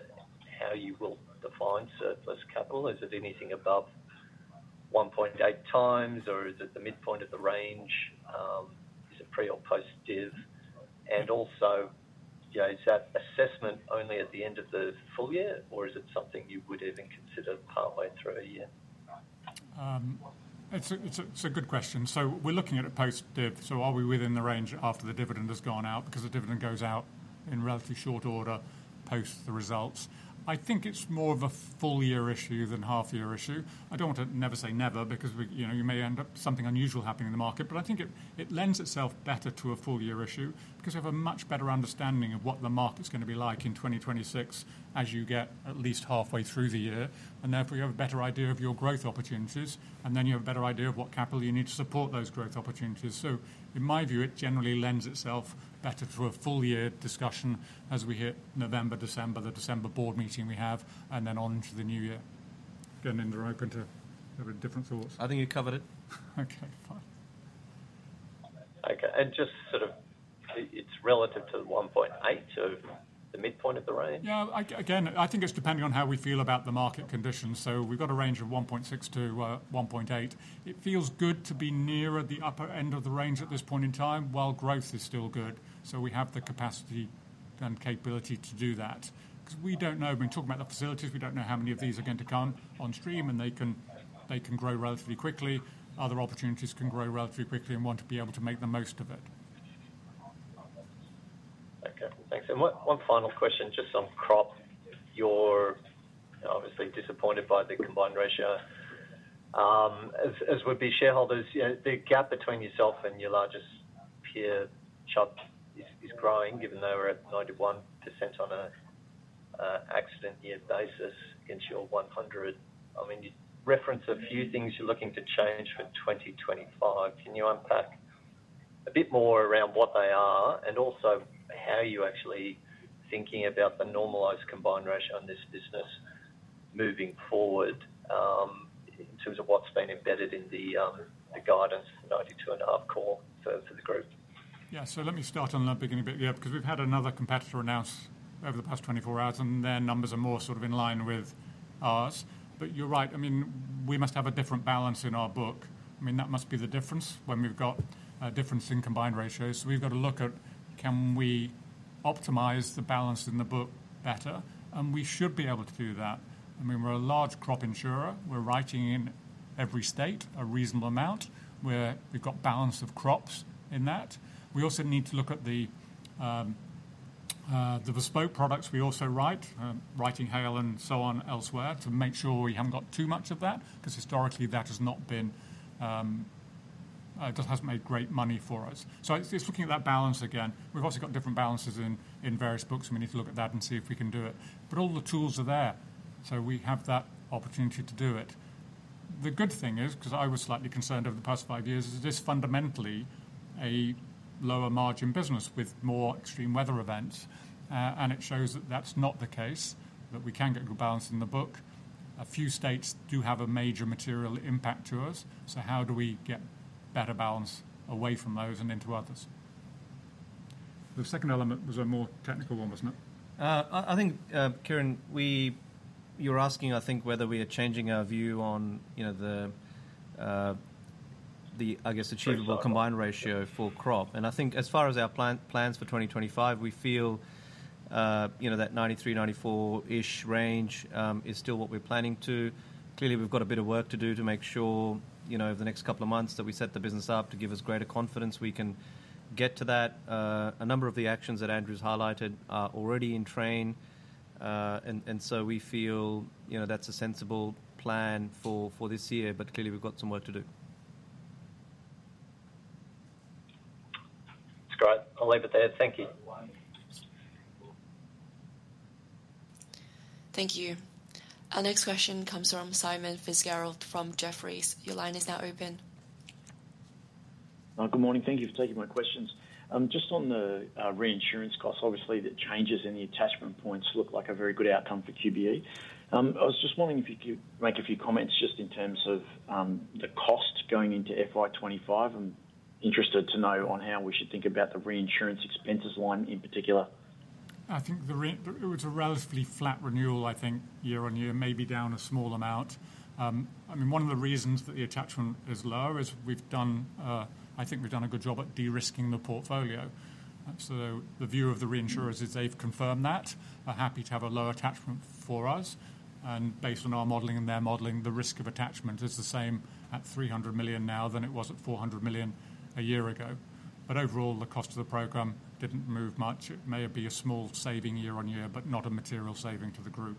how you will define surplus capital? Is it anything above 1.8x, or is it the midpoint of the range? Is it pre or post-div? And also, is that assessment only at the end of the full year, or is it something you would even consider partway through a year? It's a good question. So we're looking at a post-div. So are we within the range after the dividend has gone out? Because the dividend goes out in relatively short order post the results. I think it's more of a full-year issue than half-year issue. I don't want to never say never, because you may end up with something unusual happening in the market, but I think it lends itself better to a full-year issue because you have a much better understanding of what the market's going to be like in 2026 as you get at least halfway through the year. Therefore, you have a better idea of your growth opportunities, and then you have a better idea of what capital you need to support those growth opportunities. So in my view, it generally lends itself better to a full-year discussion as we hit November, December, the December board meeting we have, and then on to the new year. Again, Inder, are you open to have a different thoughts? I think you covered it. Okay, fine. Okay, and just sort of, it's relative to the 1.8, so the midpoint of the range? Yeah, again, I think it's depending on how we feel about the market conditions. So we've got a range of 1.6 to 1.8. It feels good to be nearer the upper end of the range at this point in time, while growth is still good. So we have the capacity and capability to do that. Because we don't know, when we talk about the facilities, we don't know how many of these are going to come on stream, and they can grow relatively quickly. Other opportunities can grow relatively quickly and want to be able to make the most of it. Okay, thanks. And one final question, just on Crop. You're obviously disappointed by the combined ratio. As would be shareholders, the gap between yourself and your largest peer Chubb is growing, given they were at 91% on an accident year basis against your 100%. I mean, you referenced a few things you're looking to change for 2025. Can you unpack a bit more around what they are and also how you're actually thinking about the normalized combined ratio in this business moving forward in terms of what's been embedded in the guidance, the 92.5% COR for the group? Yeah, so let me start on that beginning a bit, yeah, because we've had another competitor announce over the past 24 hours, and their numbers are more sort of in line with ours. You're right, I mean, we must have a different balance in our book. I mean, that must be the difference when we've got a difference in combined ratios. We've got to look at, can we optimize the balance in the book better, and we should be able to do that. I mean, we're a large Crop insurer. We're writing in every state a reasonable amount. We've got balance of crops in that. We also need to look at the bespoke products we also write, writing hail and so on elsewhere, to make sure we haven't got too much of that, because historically that has not been, it hasn't made great money for us. So it's looking at that balance again. We've also got different balances in various books, and we need to look at that and see if we can do it. But all the tools are there, so we have that opportunity to do it. The good thing is, because I was slightly concerned over the past five years, is this fundamentally a lower margin business with more extreme weather events, and it shows that that's not the case, that we can get good balance in the book. A few states do have a major material impact to us, so how do we get better balance away from those and into others? The second element was a more technical one, wasn't it? I think, Kieren, you're asking, I think, whether we are changing our view on the, I guess, achievable combined ratio for Crop. And I think as far as our plans for 2025, we feel that 93%-94%-ish range is still what we're planning to. Clearly, we've got a bit of work to do to make sure over the next couple of months that we set the business up to give us greater confidence we can get to that. A number of the actions that Andrew's highlighted are already in train, and so we feel that's a sensible plan for this year, but clearly we've got some work to do. Scott, I'll leave it there. Thank you. Thank you. Our next question comes from Simon Fitzgerald from Jefferies. Your line is now open. Good morning. Thank you for taking my questions. Just on the reinsurance costs, obviously the changes in the attachment points look like a very good outcome for QBE. I was just wondering if you could make a few comments just in terms of the cost going into FY 2025. I'm interested to know on how we should think about the reinsurance expenses line in particular. I think it was a relatively flat renewal, I think, year on year, maybe down a small amount. I mean, one of the reasons that the attachment is low is we've done, I think we've done a good job at de-risking the portfolio. So the view of the reinsurers is they've confirmed that, are happy to have a low attachment for us. And based on our modeling and their modeling, the risk of attachment is the same at $300 million now than it was at $400 million a year ago. But overall, the cost of the program didn't move much. It may be a small saving year on year, but not a material saving to the group.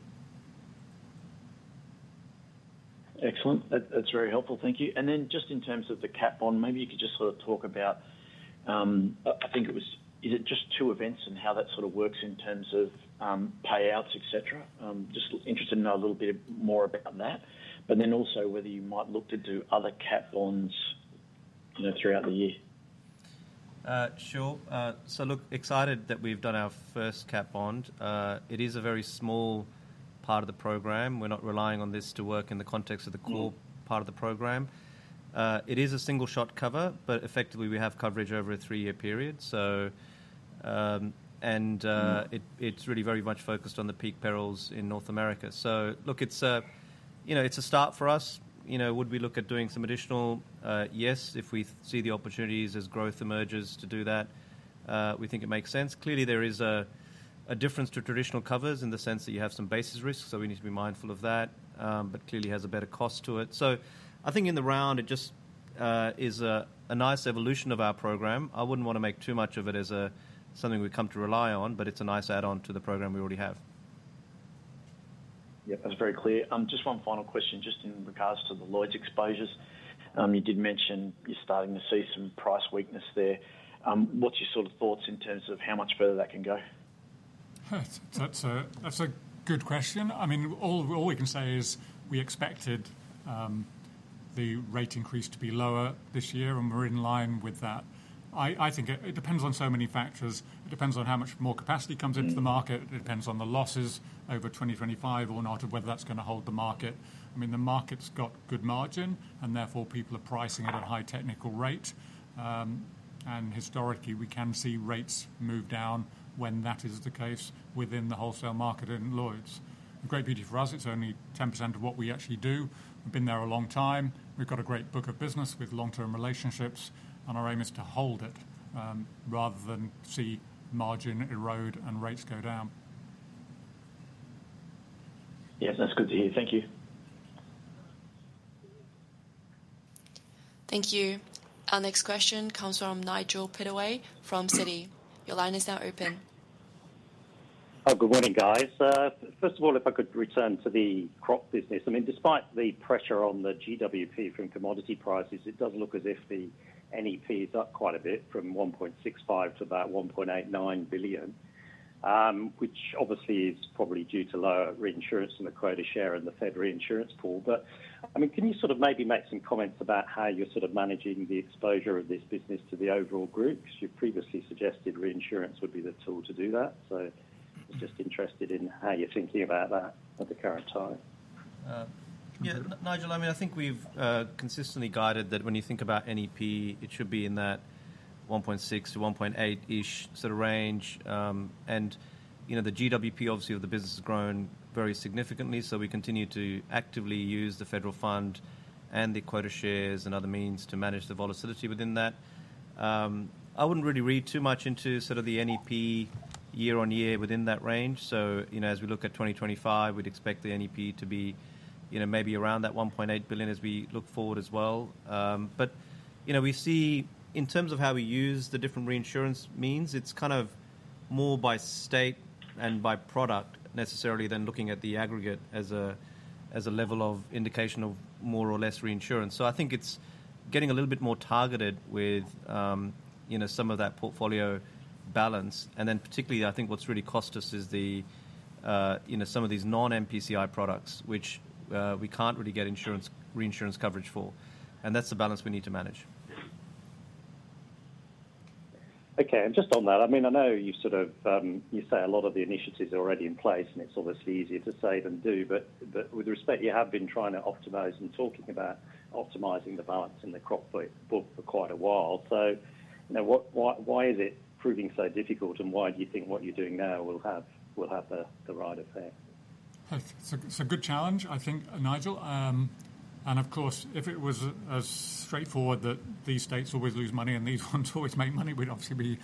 Excellent. That's very helpful. Thank you. And then just in terms of the cat bond, maybe you could just sort of talk about, I think it was, is it just two events and how that sort of works in terms of payouts, etc.? Just interested to know a little bit more about that, but then also whether you might look to do other cat bonds throughout the year. Sure, so look, excited that we've done our first cat bond. It is a very small part of the program. We're not relying on this to work in the context of the core part of the program. It is a single-shot cover, but effectively we have coverage over a three-year period. And it's really very much focused on the peak perils in North America. So look, it's a start for us. Would we look at doing some additional? Yes, if we see the opportunities as growth emerges to do that, we think it makes sense. Clearly, there is a difference to traditional covers in the sense that you have some basis risk, so we need to be mindful of that, but clearly has a better cost to it. So I think in the round, it just is a nice evolution of our program. I wouldn't want to make too much of it as something we come to rely on, but it's a nice add-on to the program we already have. Yep, that's very clear. Just one final question, just in regards to the Lloyd's exposures. You did mention you're starting to see some price weakness there. What's your sort of thoughts in terms of how much further that can go? That's a good question. I mean, all we can say is we expected the rate increase to be lower this year, and we're in line with that. I think it depends on so many factors. It depends on how much more capacity comes into the market. It depends on the losses over 2025 or not, of whether that's going to hold the market. I mean, the market's got good margin, and therefore people are pricing at a high technical rate. And historically, we can see rates move down when that is the case within the wholesale market in Lloyd's. Great beauty for us, it's only 10% of what we actually do. We've been there a long time. We've got a great book of business with long-term relationships, and our aim is to hold it rather than see margin erode and rates go down. Yes, that's good to hear. Thank you. Thank you. Our next question comes from Nigel Pittaway from Citi. Your line is now open. Good morning, guys. First of all, if I could return to the Crop business. I mean, despite the pressure on the GWP from commodity prices, it does look as if the NEP is up quite a bit from $1.65 billion to about $1.89 billion, which obviously is probably due to lower reinsurance in the quota share and the Federal reinsurance pool. But I mean, can you sort of maybe make some comments about how you're sort of managing the exposure of this business to the overall group? Because you previously suggested reinsurance would be the tool to do that. So I was just interested in how you're thinking about that at the current time. Yeah, Nigel, I mean, I think we've consistently guided that when you think about NEP, it should be in that $1.6 billion-$1.8 billion-ish sort of range. And the GWP, obviously, the business has grown very significantly, so we continue to actively use the Federal Fund and the quota shares and other means to manage the volatility within that. I wouldn't really read too much into sort of the NEP year on year within that range. So as we look at 2025, we'd expect the NEP to be maybe around that $1.8 billion as we look forward as well. But we see in terms of how we use the different reinsurance means, it's kind of more by state and by product necessarily than looking at the aggregate as a level of indication of more or less reinsurance. So I think it's getting a little bit more targeted with some of that portfolio balance. And then particularly, I think what's really cost us is some of these non-MPCI products, which we can't really get reinsurance coverage for. And that's the balance we need to manage. Okay, and just on that, I mean, I know you sort of, you say a lot of the initiatives are already in place, and it's obviously easier to say than do, but with respect, you have been trying to optimize and talking about optimizing the balance in the Crop book for quite a while. So why is it proving so difficult, and why do you think what you're doing now will have the right effect? It's a good challenge, I think, Nigel. Of course, if it was as straightforward that these states always lose money and these ones always make money, we'd obviously be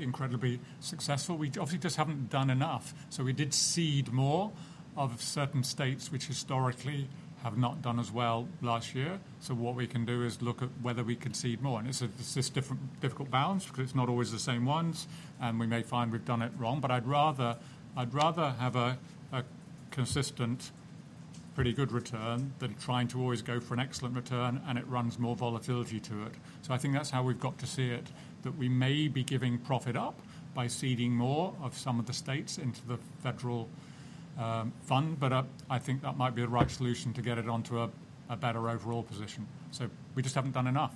incredibly successful. We obviously just haven't done enough. We did seed more of certain states which historically have not done as well last year. What we can do is look at whether we can seed more. It's this difficult balance because it's not always the same ones, and we may find we've done it wrong. I'd rather have a consistent, pretty good return than trying to always go for an excellent return, and it runs more volatility to it. So I think that's how we've got to see it, that we may be giving profit up by seeding more of some of the states into the Federal Fund, but I think that might be the right solution to get it onto a better overall position. So we just haven't done enough.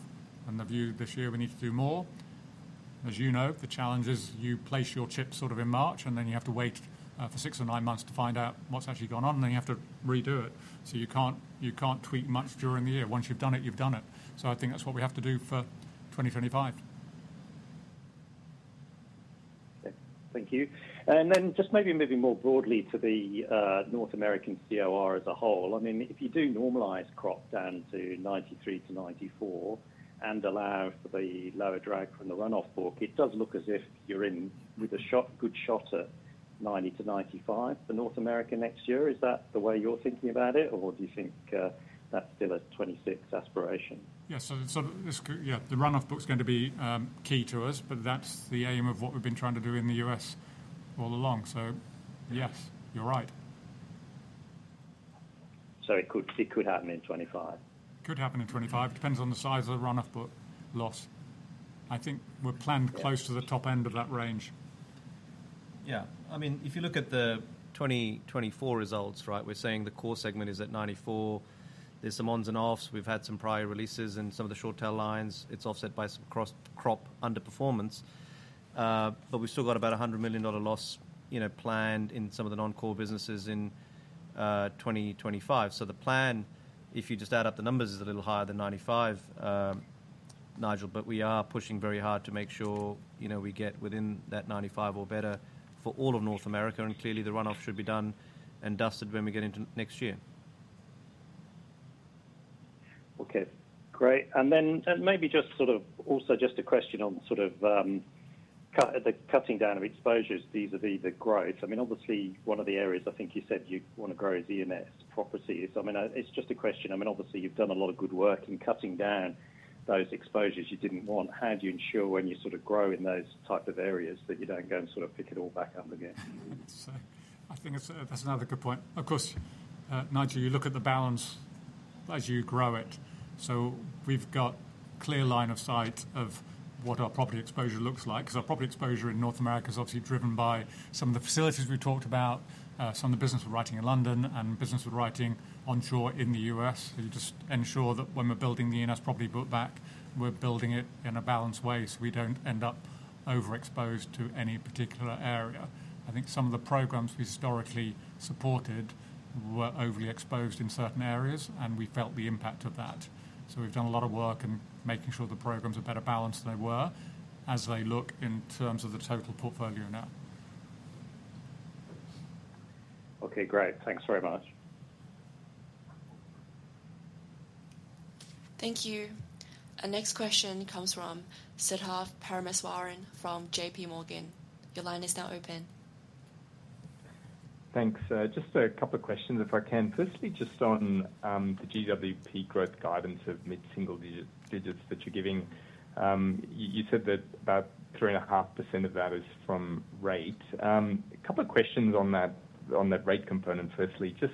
And the view this year, we need to do more. As you know, the challenge is you place your chips sort of in March, and then you have to wait for six or nine months to find out what's actually gone on, and then you have to redo it. So you can't tweak much during the year. Once you've done it, you've done it. So I think that's what we have to do for 2025. Thank you. And then just maybe moving more broadly to the North American COR as a whole. I mean, if you do normalize Crop down to 93%-94% and allow for the lower drag from the runoff book, it does look as if you're in with a good shot at 90%-95% for North America next year. Is that the way you're thinking about it, or do you think that's still a 2026 aspiration? Yeah, so yeah, the runoff book's going to be key to us, but that's the aim of what we've been trying to do in the U.S. all along. So yes, you're right. So it could happen in 2025? Could happen in 2025. It depends on the size of the runoff book loss. I think we're planned close to the top end of that range. Yeah, I mean, if you look at the 2024 results, right, we're saying the core segment is at 94%. There's some one-offs. We've had some prior releases in some of the short-tail lines. It's offset by some Crop underperformance. But we've still got about a $100 million loss planned in some of the non-core businesses in 2025. So the plan, if you just add up the numbers, is a little higher than 95%, Nigel, but we are pushing very hard to make sure we get within that 95% or better for all of North American. And clearly, the runoff should be done and dusted when we get into next year. Okay, great. And then maybe just sort of also just a question on sort of the cutting down of exposures. These are the growths. I mean, obviously, one of the areas I think you said you want to grow is E&S property. So I mean, it's just a question. I mean, obviously, you've done a lot of good work in cutting down those exposures you didn't want. How do you ensure when you sort of grow in those type of areas that you don't go and sort of pick it all back up again? I think that's another good point. Of course, Nigel, you look at the balance as you grow it. So we've got a clear line of sight of what our property exposure looks like. Because our property exposure in North America is obviously driven by some of the facilities we've talked about, some of the business we're writing in London, and business we're writing onshore in the U.S. So you just ensure that when we're building the E&S property book back, we're building it in a balanced way so we don't end up overexposed to any particular area. I think some of the programs we historically supported were overly exposed in certain areas, and we felt the impact of that. So we've done a lot of work in making sure the programs are better balanced than they were as they look in terms of the total portfolio now. Okay, great. Thanks very much. Thank you. Our next question comes from Siddharth Parameswaran from JPMorgan. Your line is now open. Thanks. Just a couple of questions, if I can. Firstly, just on the GWP growth guidance of mid-single digits that you're giving. You said that about 3.5% of that is from rate. A couple of questions on that rate component, firstly. Just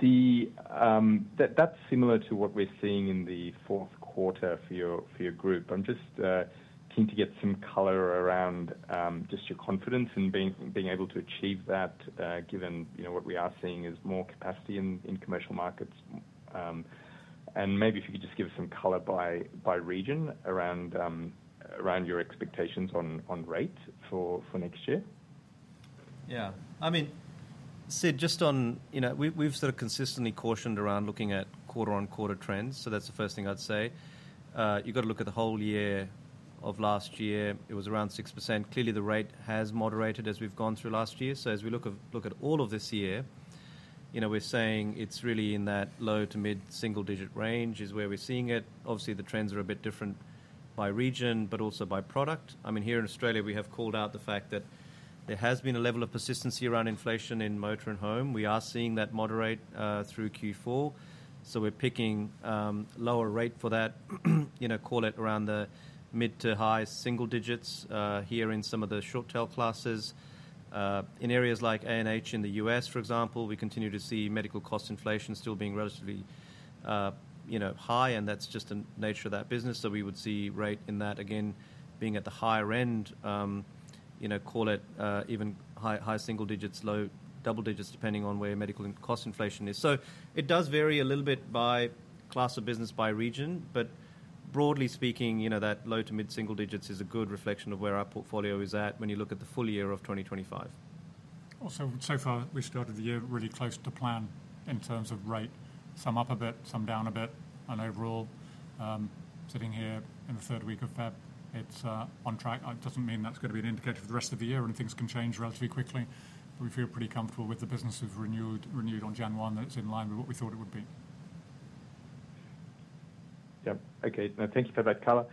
that's similar to what we're seeing in the fourth quarter for your group. I'm just keen to get some color around just your confidence in being able to achieve that, given what we are seeing is more capacity in commercial markets. And maybe if you could just give us some color by region around your expectations on rate for next year. Yeah. I mean, see, just on, we've sort of consistently cautioned around looking at quarter-on-quarter trends. So that's the first thing I'd say. You've got to look at the whole year of last year. It was around 6%. Clearly, the rate has moderated as we've gone through last year. So as we look at all of this year, we're saying it's really in that low to mid-single digit range is where we're seeing it. Obviously, the trends are a bit different by region, but also by product. I mean, here in Australia, we have called out the fact that there has been a level of persistency around inflation in motor and home. We are seeing that moderate through Q4. So we're picking lower rate for that, call it around the mid to high single digits here in some of the short-tail classes. In areas like A&H in the U.S., for example, we continue to see medical cost inflation still being relatively high, and that's just the nature of that business. So we would see rate in that again being at the higher end, call it even high single digits, low double digits, depending on where medical cost inflation is. So it does vary a little bit by class of business, by region, but broadly speaking, that low- to mid-single digits is a good reflection of where our portfolio is at when you look at the full year of 2025. Also, so far, we've started the year really close to plan in terms of rate. Some up a bit, some down a bit. And overall, sitting here in the third week of February, it's on track. It doesn't mean that's going to be an indicator for the rest of the year, and things can change relatively quickly. But we feel pretty comfortable with the businesses renewed on January 1 that's in line with what we thought it would be. Yep. Okay. Thank you for that color.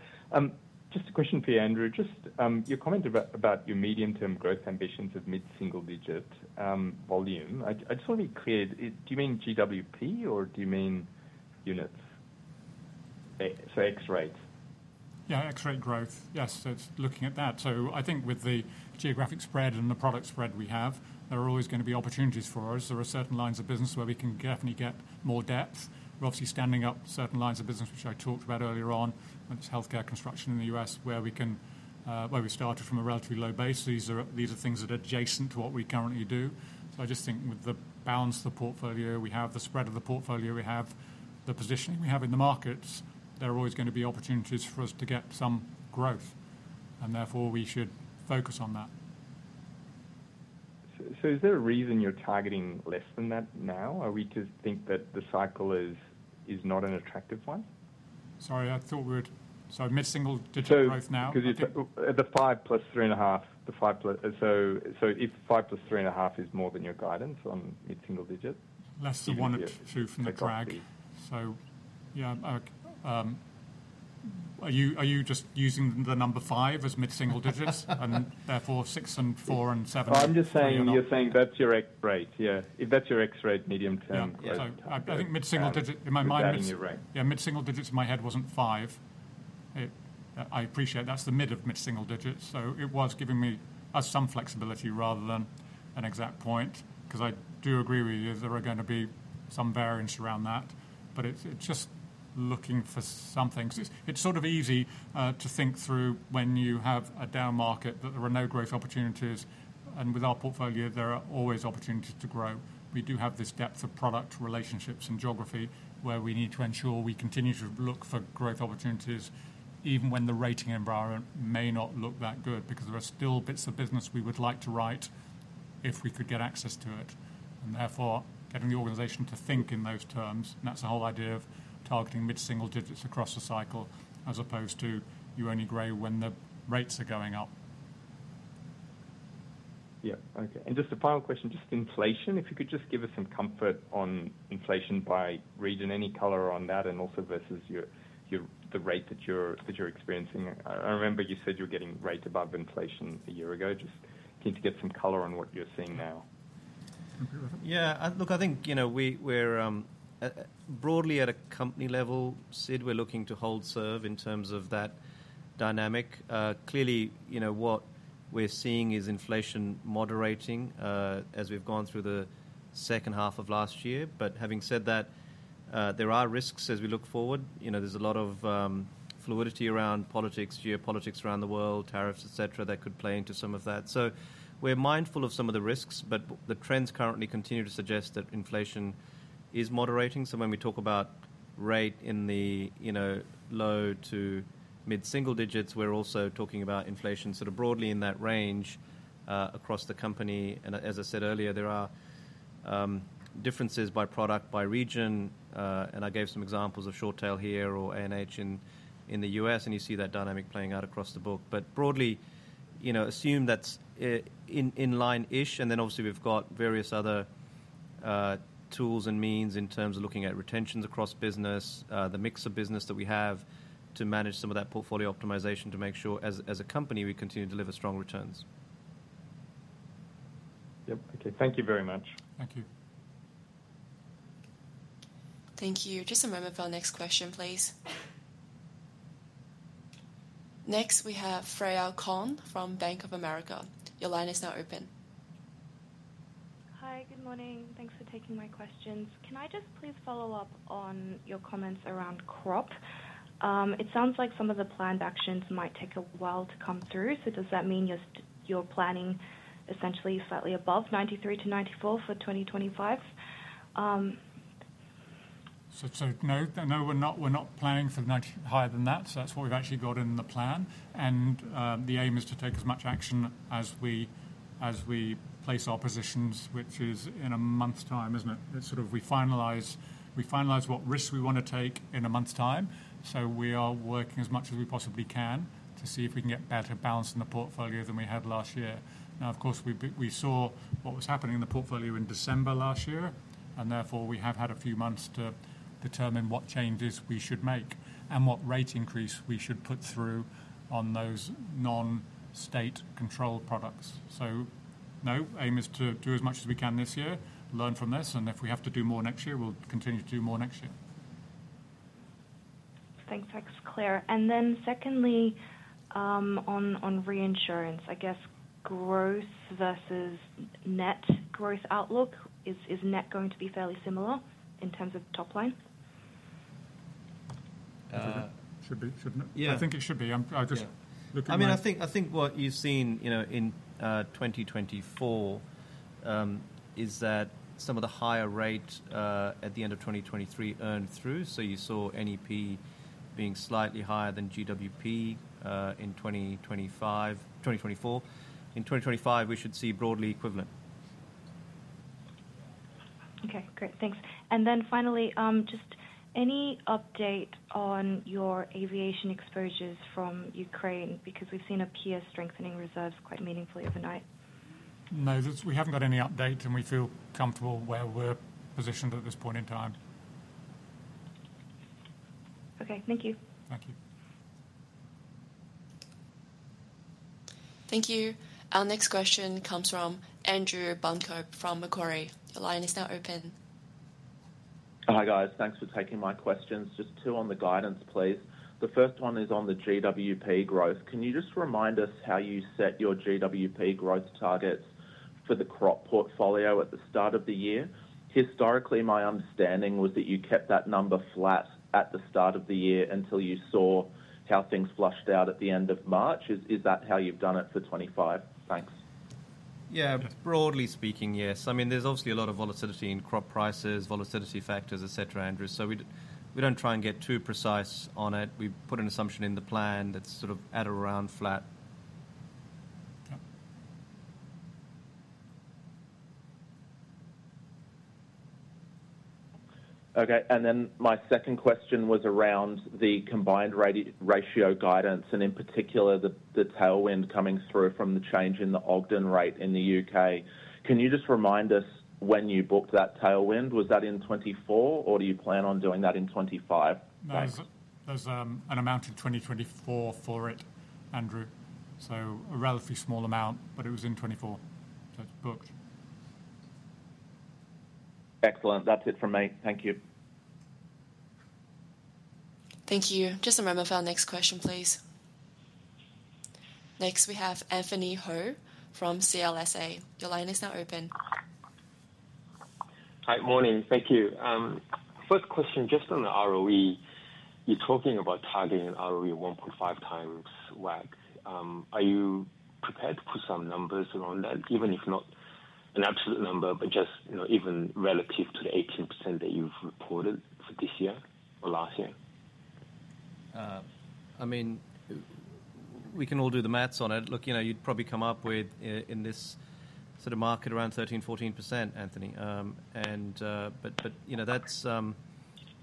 Just a question for you, Andrew. Just your comment about your medium-term growth ambitions of mid-single digit volume. I just want to be clear. Do you mean GWP, or do you mean units? So ex-rate. Yeah, ex-rate growth. Yes, looking at that. So I think with the geographic spread and the product spread we have, there are always going to be opportunities for us. There are certain lines of business where we can definitely get more depth. We're obviously standing up certain lines of business, which I talked about earlier on, which is healthcare construction in the U.S., where we started from a relatively low base. These are things that are adjacent to what we currently do. So I just think with the balance of the portfolio we have, the spread of the portfolio we have, the positioning we have in the markets, there are always going to be opportunities for us to get some growth. And therefore, we should focus on that. So is there a reason you're targeting less than that now? Are we to think that the cycle is not an attractive one? Sorry, I thought we were seeing mid-single digit growth now. Because it's the 5+3.5. So if 5+3.5 is more than your guidance on mid-single digit. Less than one or two from the drag. So yeah, are you just using the number five as mid-single digits and therefore six and four and seven? I'm just saying you're saying that's your ex-rate. Yeah. If that's your ex-rate, medium-term growth Yeah. So I think mid-single digit in my mind. Yeah, mid-single digits in my head wasn't five. I appreciate that. That's the mid of mid-single digits. So it was giving me some flexibility rather than an exact point. Because I do agree with you, there are going to be some variance around that. But it's just looking for something. It's sort of easy to think through when you have a down market that there are no growth opportunities. And with our portfolio, there are always opportunities to grow. We do have this depth of product relationships and geography where we need to ensure we continue to look for growth opportunities even when the rating environment may not look that good because there are still bits of business we would like to write if we could get access to it. And therefore, getting the organization to think in those terms. And that's the whole idea of targeting mid-single digits across the cycle as opposed to you only grow when the rates are going up. Yeah. Okay. And just a final question, just inflation. If you could just give us some comfort on inflation by reading any color on that and also versus the rate that you're experiencing. I remember you said you were getting rate above inflation a year ago. Just keen to get some color on what you're seeing now. Yeah. Look, I think we're broadly at a company level, Sid, we're looking to hold serve in terms of that dynamic. Clearly, what we're seeing is inflation moderating as we've gone through the second half of last year. But having said that, there are risks as we look forward. There's a lot of fluidity around politics, geopolitics around the world, tariffs, etc., that could play into some of that. So we're mindful of some of the risks, but the trends currently continue to suggest that inflation is moderating. So when we talk about rate in the low to mid-single digits, we're also talking about inflation sort of broadly in that range across the company. And as I said earlier, there are differences by product, by region. And I gave some examples of short-tail here or A&H in the U.S., and you see that dynamic playing out across the book. But broadly, assume that's in line-ish. And then obviously, we've got various other tools and means in terms of looking at retentions across the business, the mix of business that we have to manage some of that portfolio optimization to make sure as a company we continue to deliver strong returns. Yep. Okay. Thank you very much. Thank you. Thank you. Just a moment for our next question, please. Next, we have Freya Kong from Bank of America. Your line is now open. Hi, good morning. Thanks for taking my questions. Can I just please follow up on your comments around Crop? It sounds like some of the planned actions might take a while to come through. So does that mean you're planning essentially slightly above 93%-94% for 2025? So no, we're not planning for higher than that. So that's what we've actually got in the plan. And the aim is to take as much action as we place our positions, which is in a month's time, isn't it? It's sort of we finalize what risks we want to take in a month's time. So we are working as much as we possibly can to see if we can get better balance in the portfolio than we had last year. Now, of course, we saw what was happening in the portfolio in December last year. And therefore, we have had a few months to determine what changes we should make and what rate increase we should put through on those non-state controlled products. So no, aim is to do as much as we can this year, learn from this. And if we have to do more next year, we'll continue to do more next year. Thanks. That's clear. And then secondly, on reinsurance, I guess growth versus net growth outlook, is net going to be fairly similar in terms of top line? Shouldn't it? Yeah. I think it should be. I'm just looking at that. I mean, I think what you've seen in 2024 is that some of the higher rate at the end of 2023 earned through. So you saw NEP being slightly higher than GWP in 2024. In 2025, we should see broadly equivalent. Okay. Great. Thanks. And then finally, just any update on your aviation exposures from Ukraine? Because we've seen a peer strengthening reserves quite meaningfully overnight. No, we haven't got any update, and we feel comfortable where we're positioned at this point in time. Okay. Thank you. Thank you. Thank you. Our next question comes from Andrew Buncombe from Macquarie. Your line is now open. Hi, guys. Thanks for taking my questions. Just two on the guidance, please. The first one is on the GWP growth. Can you just remind us how you set your GWP growth targets for the Crop portfolio at the start of the year? Historically, my understanding was that you kept that number flat at the start of the year until you saw how things fleshed out at the end of March. Is that how you've done it for 2025? Thanks. Yeah. Broadly speaking, yes. I mean, there's obviously a lot of volatility in Crop prices, volatility factors, etc., Andrew. So we don't try and get too precise on it. We put an assumption in the plan that's sort of at or around flat. Okay. And then my second question was around the combined ratio guidance, and in particular, the tailwind coming through from the change in the Ogden rate in the U.K. Can you just remind us when you booked that tailwind? Was that in 2024, or do you plan on doing that in 2025? No. There's an amount in 2024 for it, Andrew. So a relatively small amount, but it was in 2024. So it's booked. Excellent. That's it from me. Thank you. Thank you. Just a moment for our next question, please. Next, we have Anthony Hoo from CLSA. Your line is now open. Hi, good morning. Thank you. First question, just on the ROE, you're talking about targeting ROE 1.5 times WACC. Are you prepared to put some numbers around that, even if not an absolute number, but just even relative to the 18% that you've reported for this year or last year? I mean, we can all do the math on it. Look, you'd probably come up with, in this sort of market, around 13%-14%, Anthony. But that's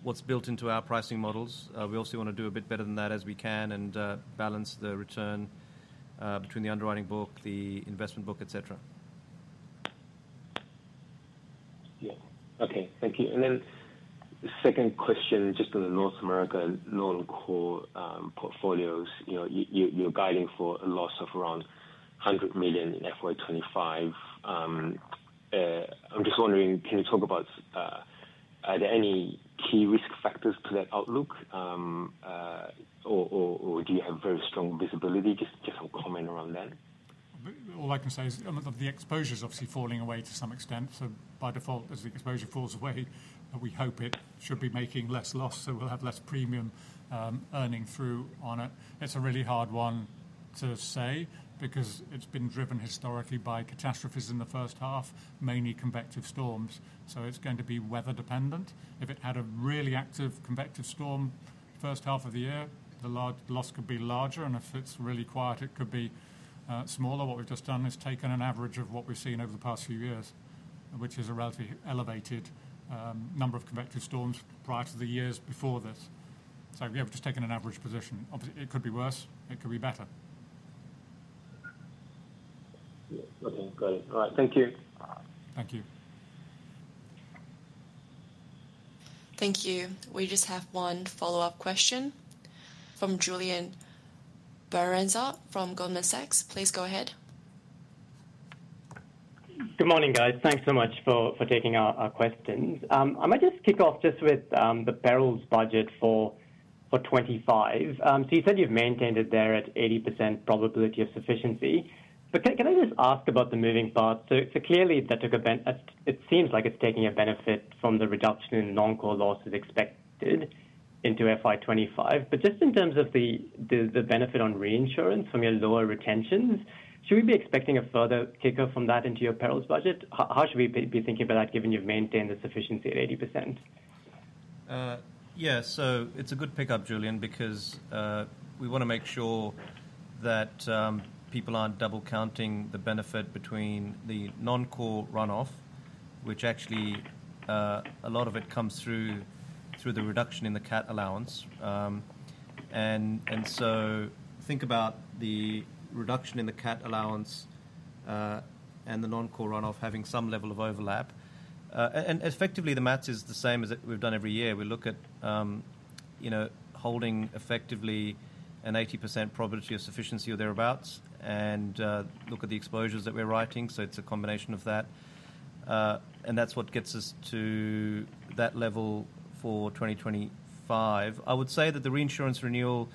what's built into our pricing models. We obviously want to do a bit better than that as we can and balance the return between the underwriting book, the investment book, etc. Yeah. Okay. Thank you. And then second question, just on the North American non-core portfolios, you're guiding for a loss of around $100 million in FY 2025. I'm just wondering, can you talk about are there any key risk factors to that outlook, or do you have very strong visibility? Just some comment around that. All I can say is the exposure is obviously falling away to some extent, so by default, as the exposure falls away, we hope it should be making less loss, so we'll have less premium earning through on it. It's a really hard one to say because it's been driven historically by catastrophes in the first half, mainly convective storms, so it's going to be weather-dependent. If it had a really active convective storm first half of the year, the loss could be larger, and if it's really quiet, it could be smaller. What we've just done is taken an average of what we've seen over the past few years, which is a relatively elevated number of convective storms prior to the years before this, so we've just taken an average position. Obviously, it could be worse. It could be better. Okay. Got it. All right. Thank you. Thank you. Thank you. We just have one follow-up question from Julian Braganza from Goldman Sachs. Please go ahead. Good morning, guys. Thanks so much for taking our questions. I might just kick off just with the Perils budget for 2025. So you said you've maintained it there at 80% probability of sufficiency. But can I just ask about the moving parts? So clearly, it seems like it's taking a benefit from the reduction in non-core losses expected into FY 2025. But just in terms of the benefit on reinsurance from your lower retentions, should we be expecting a further kick-off from that into your Perils budget? How should we be thinking about that given you've maintained the sufficiency at 80%? Yeah. It's a good pickup, Julian, because we want to make sure that people aren't double-counting the benefit between the non-core runoff, which actually a lot of it comes through the reduction in the CAT allowance. And so think about the reduction in the CAT allowance and the non-core runoff having some level of overlap. And effectively, the math is the same as we've done every year. We look at holding effectively an 80% probability of sufficiency or thereabouts and look at the exposures that we're writing. So it's a combination of that. And that's what gets us to that level for 2025. I would say that the reinsurance renewal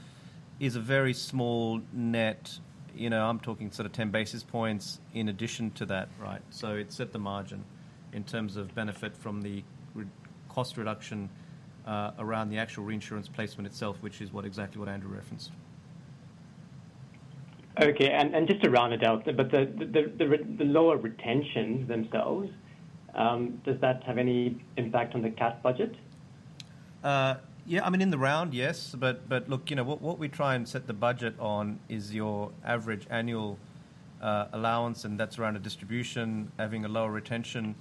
is a very small net. I'm talking sort of 10 basis points in addition to that, right? So it's at the margin in terms of benefit from the cost reduction around the actual reinsurance placement itself, which is exactly what Andrew referenced. Okay. And just to round it out, but the lower retentions themselves, does that have any impact on the CAT budget? Yeah. I mean, in the round, yes. But look, what we try and set the budget on is your average annual allowance, and that's around a distribution. Having a lower retention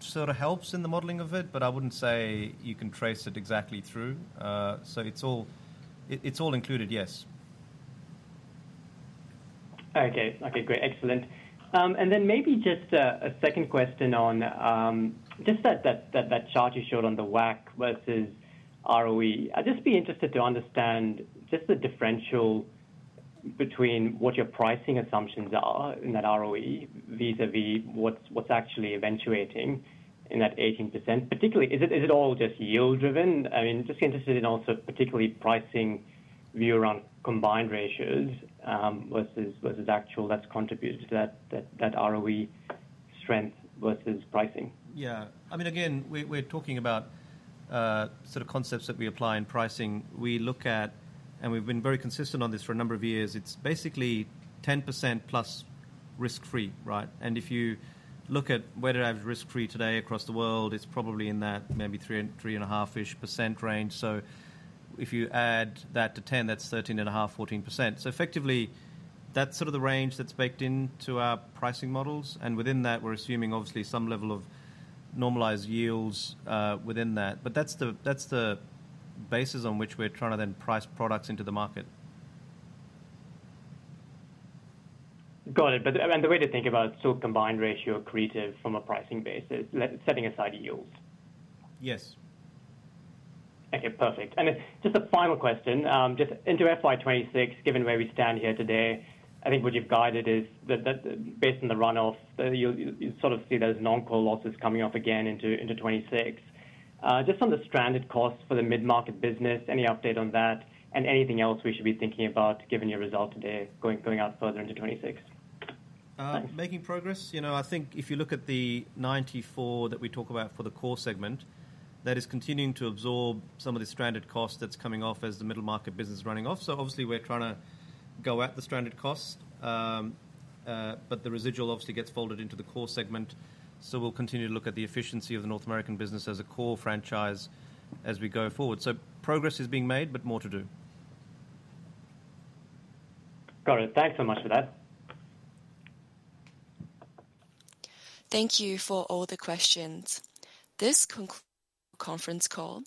sort of helps in the modeling of it, but I wouldn't say you can trace it exactly through. So it's all included, yes. Okay. Okay. Great. Excellent. And then maybe just a second question on just that chart you showed on the WACC versus ROE. I'd just be interested to understand just the differential between what your pricing assumptions are in that ROE vis-à-vis what's actually eventuating in that 18%. Particularly, is it all just yield-driven? I mean, just interested in also particularly pricing view around combined ratios versus actual that's contributed to that ROE strength versus pricing. Yeah. I mean, again, we're talking about sort of concepts that we apply in pricing. We look at, and we've been very consistent on this for a number of years. It's basically 10%+ risk-free, right? And if you look at where it has risk-free today across the world, it's probably in that maybe 3.5-ish % range. So if you add that to 10, that's 13.5%-14%. So effectively, that's sort of the range that's baked into our pricing models. And within that, we're assuming, obviously, some level of normalized yields within that. But that's the basis on which we're trying to then price products into the market. Got it. But the way to think about still combined ratio creative from a pricing basis, setting aside yields. Yes. Okay. Perfect. And just a final question. Just into FY 2026, given where we stand here today, I think what you've guided is that based on the runoff, you sort of see those non-core losses coming off again into 2026. Just on the stranded costs for the mid-market business, any update on that? And anything else we should be thinking about given your result today going out further into 2026? Making progress. I think if you look at the 94% that we talk about for the core segment, that is continuing to absorb some of the stranded costs that's coming off as the middle market business is running off. So obviously, we're trying to go at the stranded costs. But the residual obviously gets folded into the core segment. So we'll continue to look at the efficiency of the North American business as a core franchise as we go forward. So progress is being made, but more to do. Got it. Thanks so much for that. Thank you for all the questions. This concludes the conference call.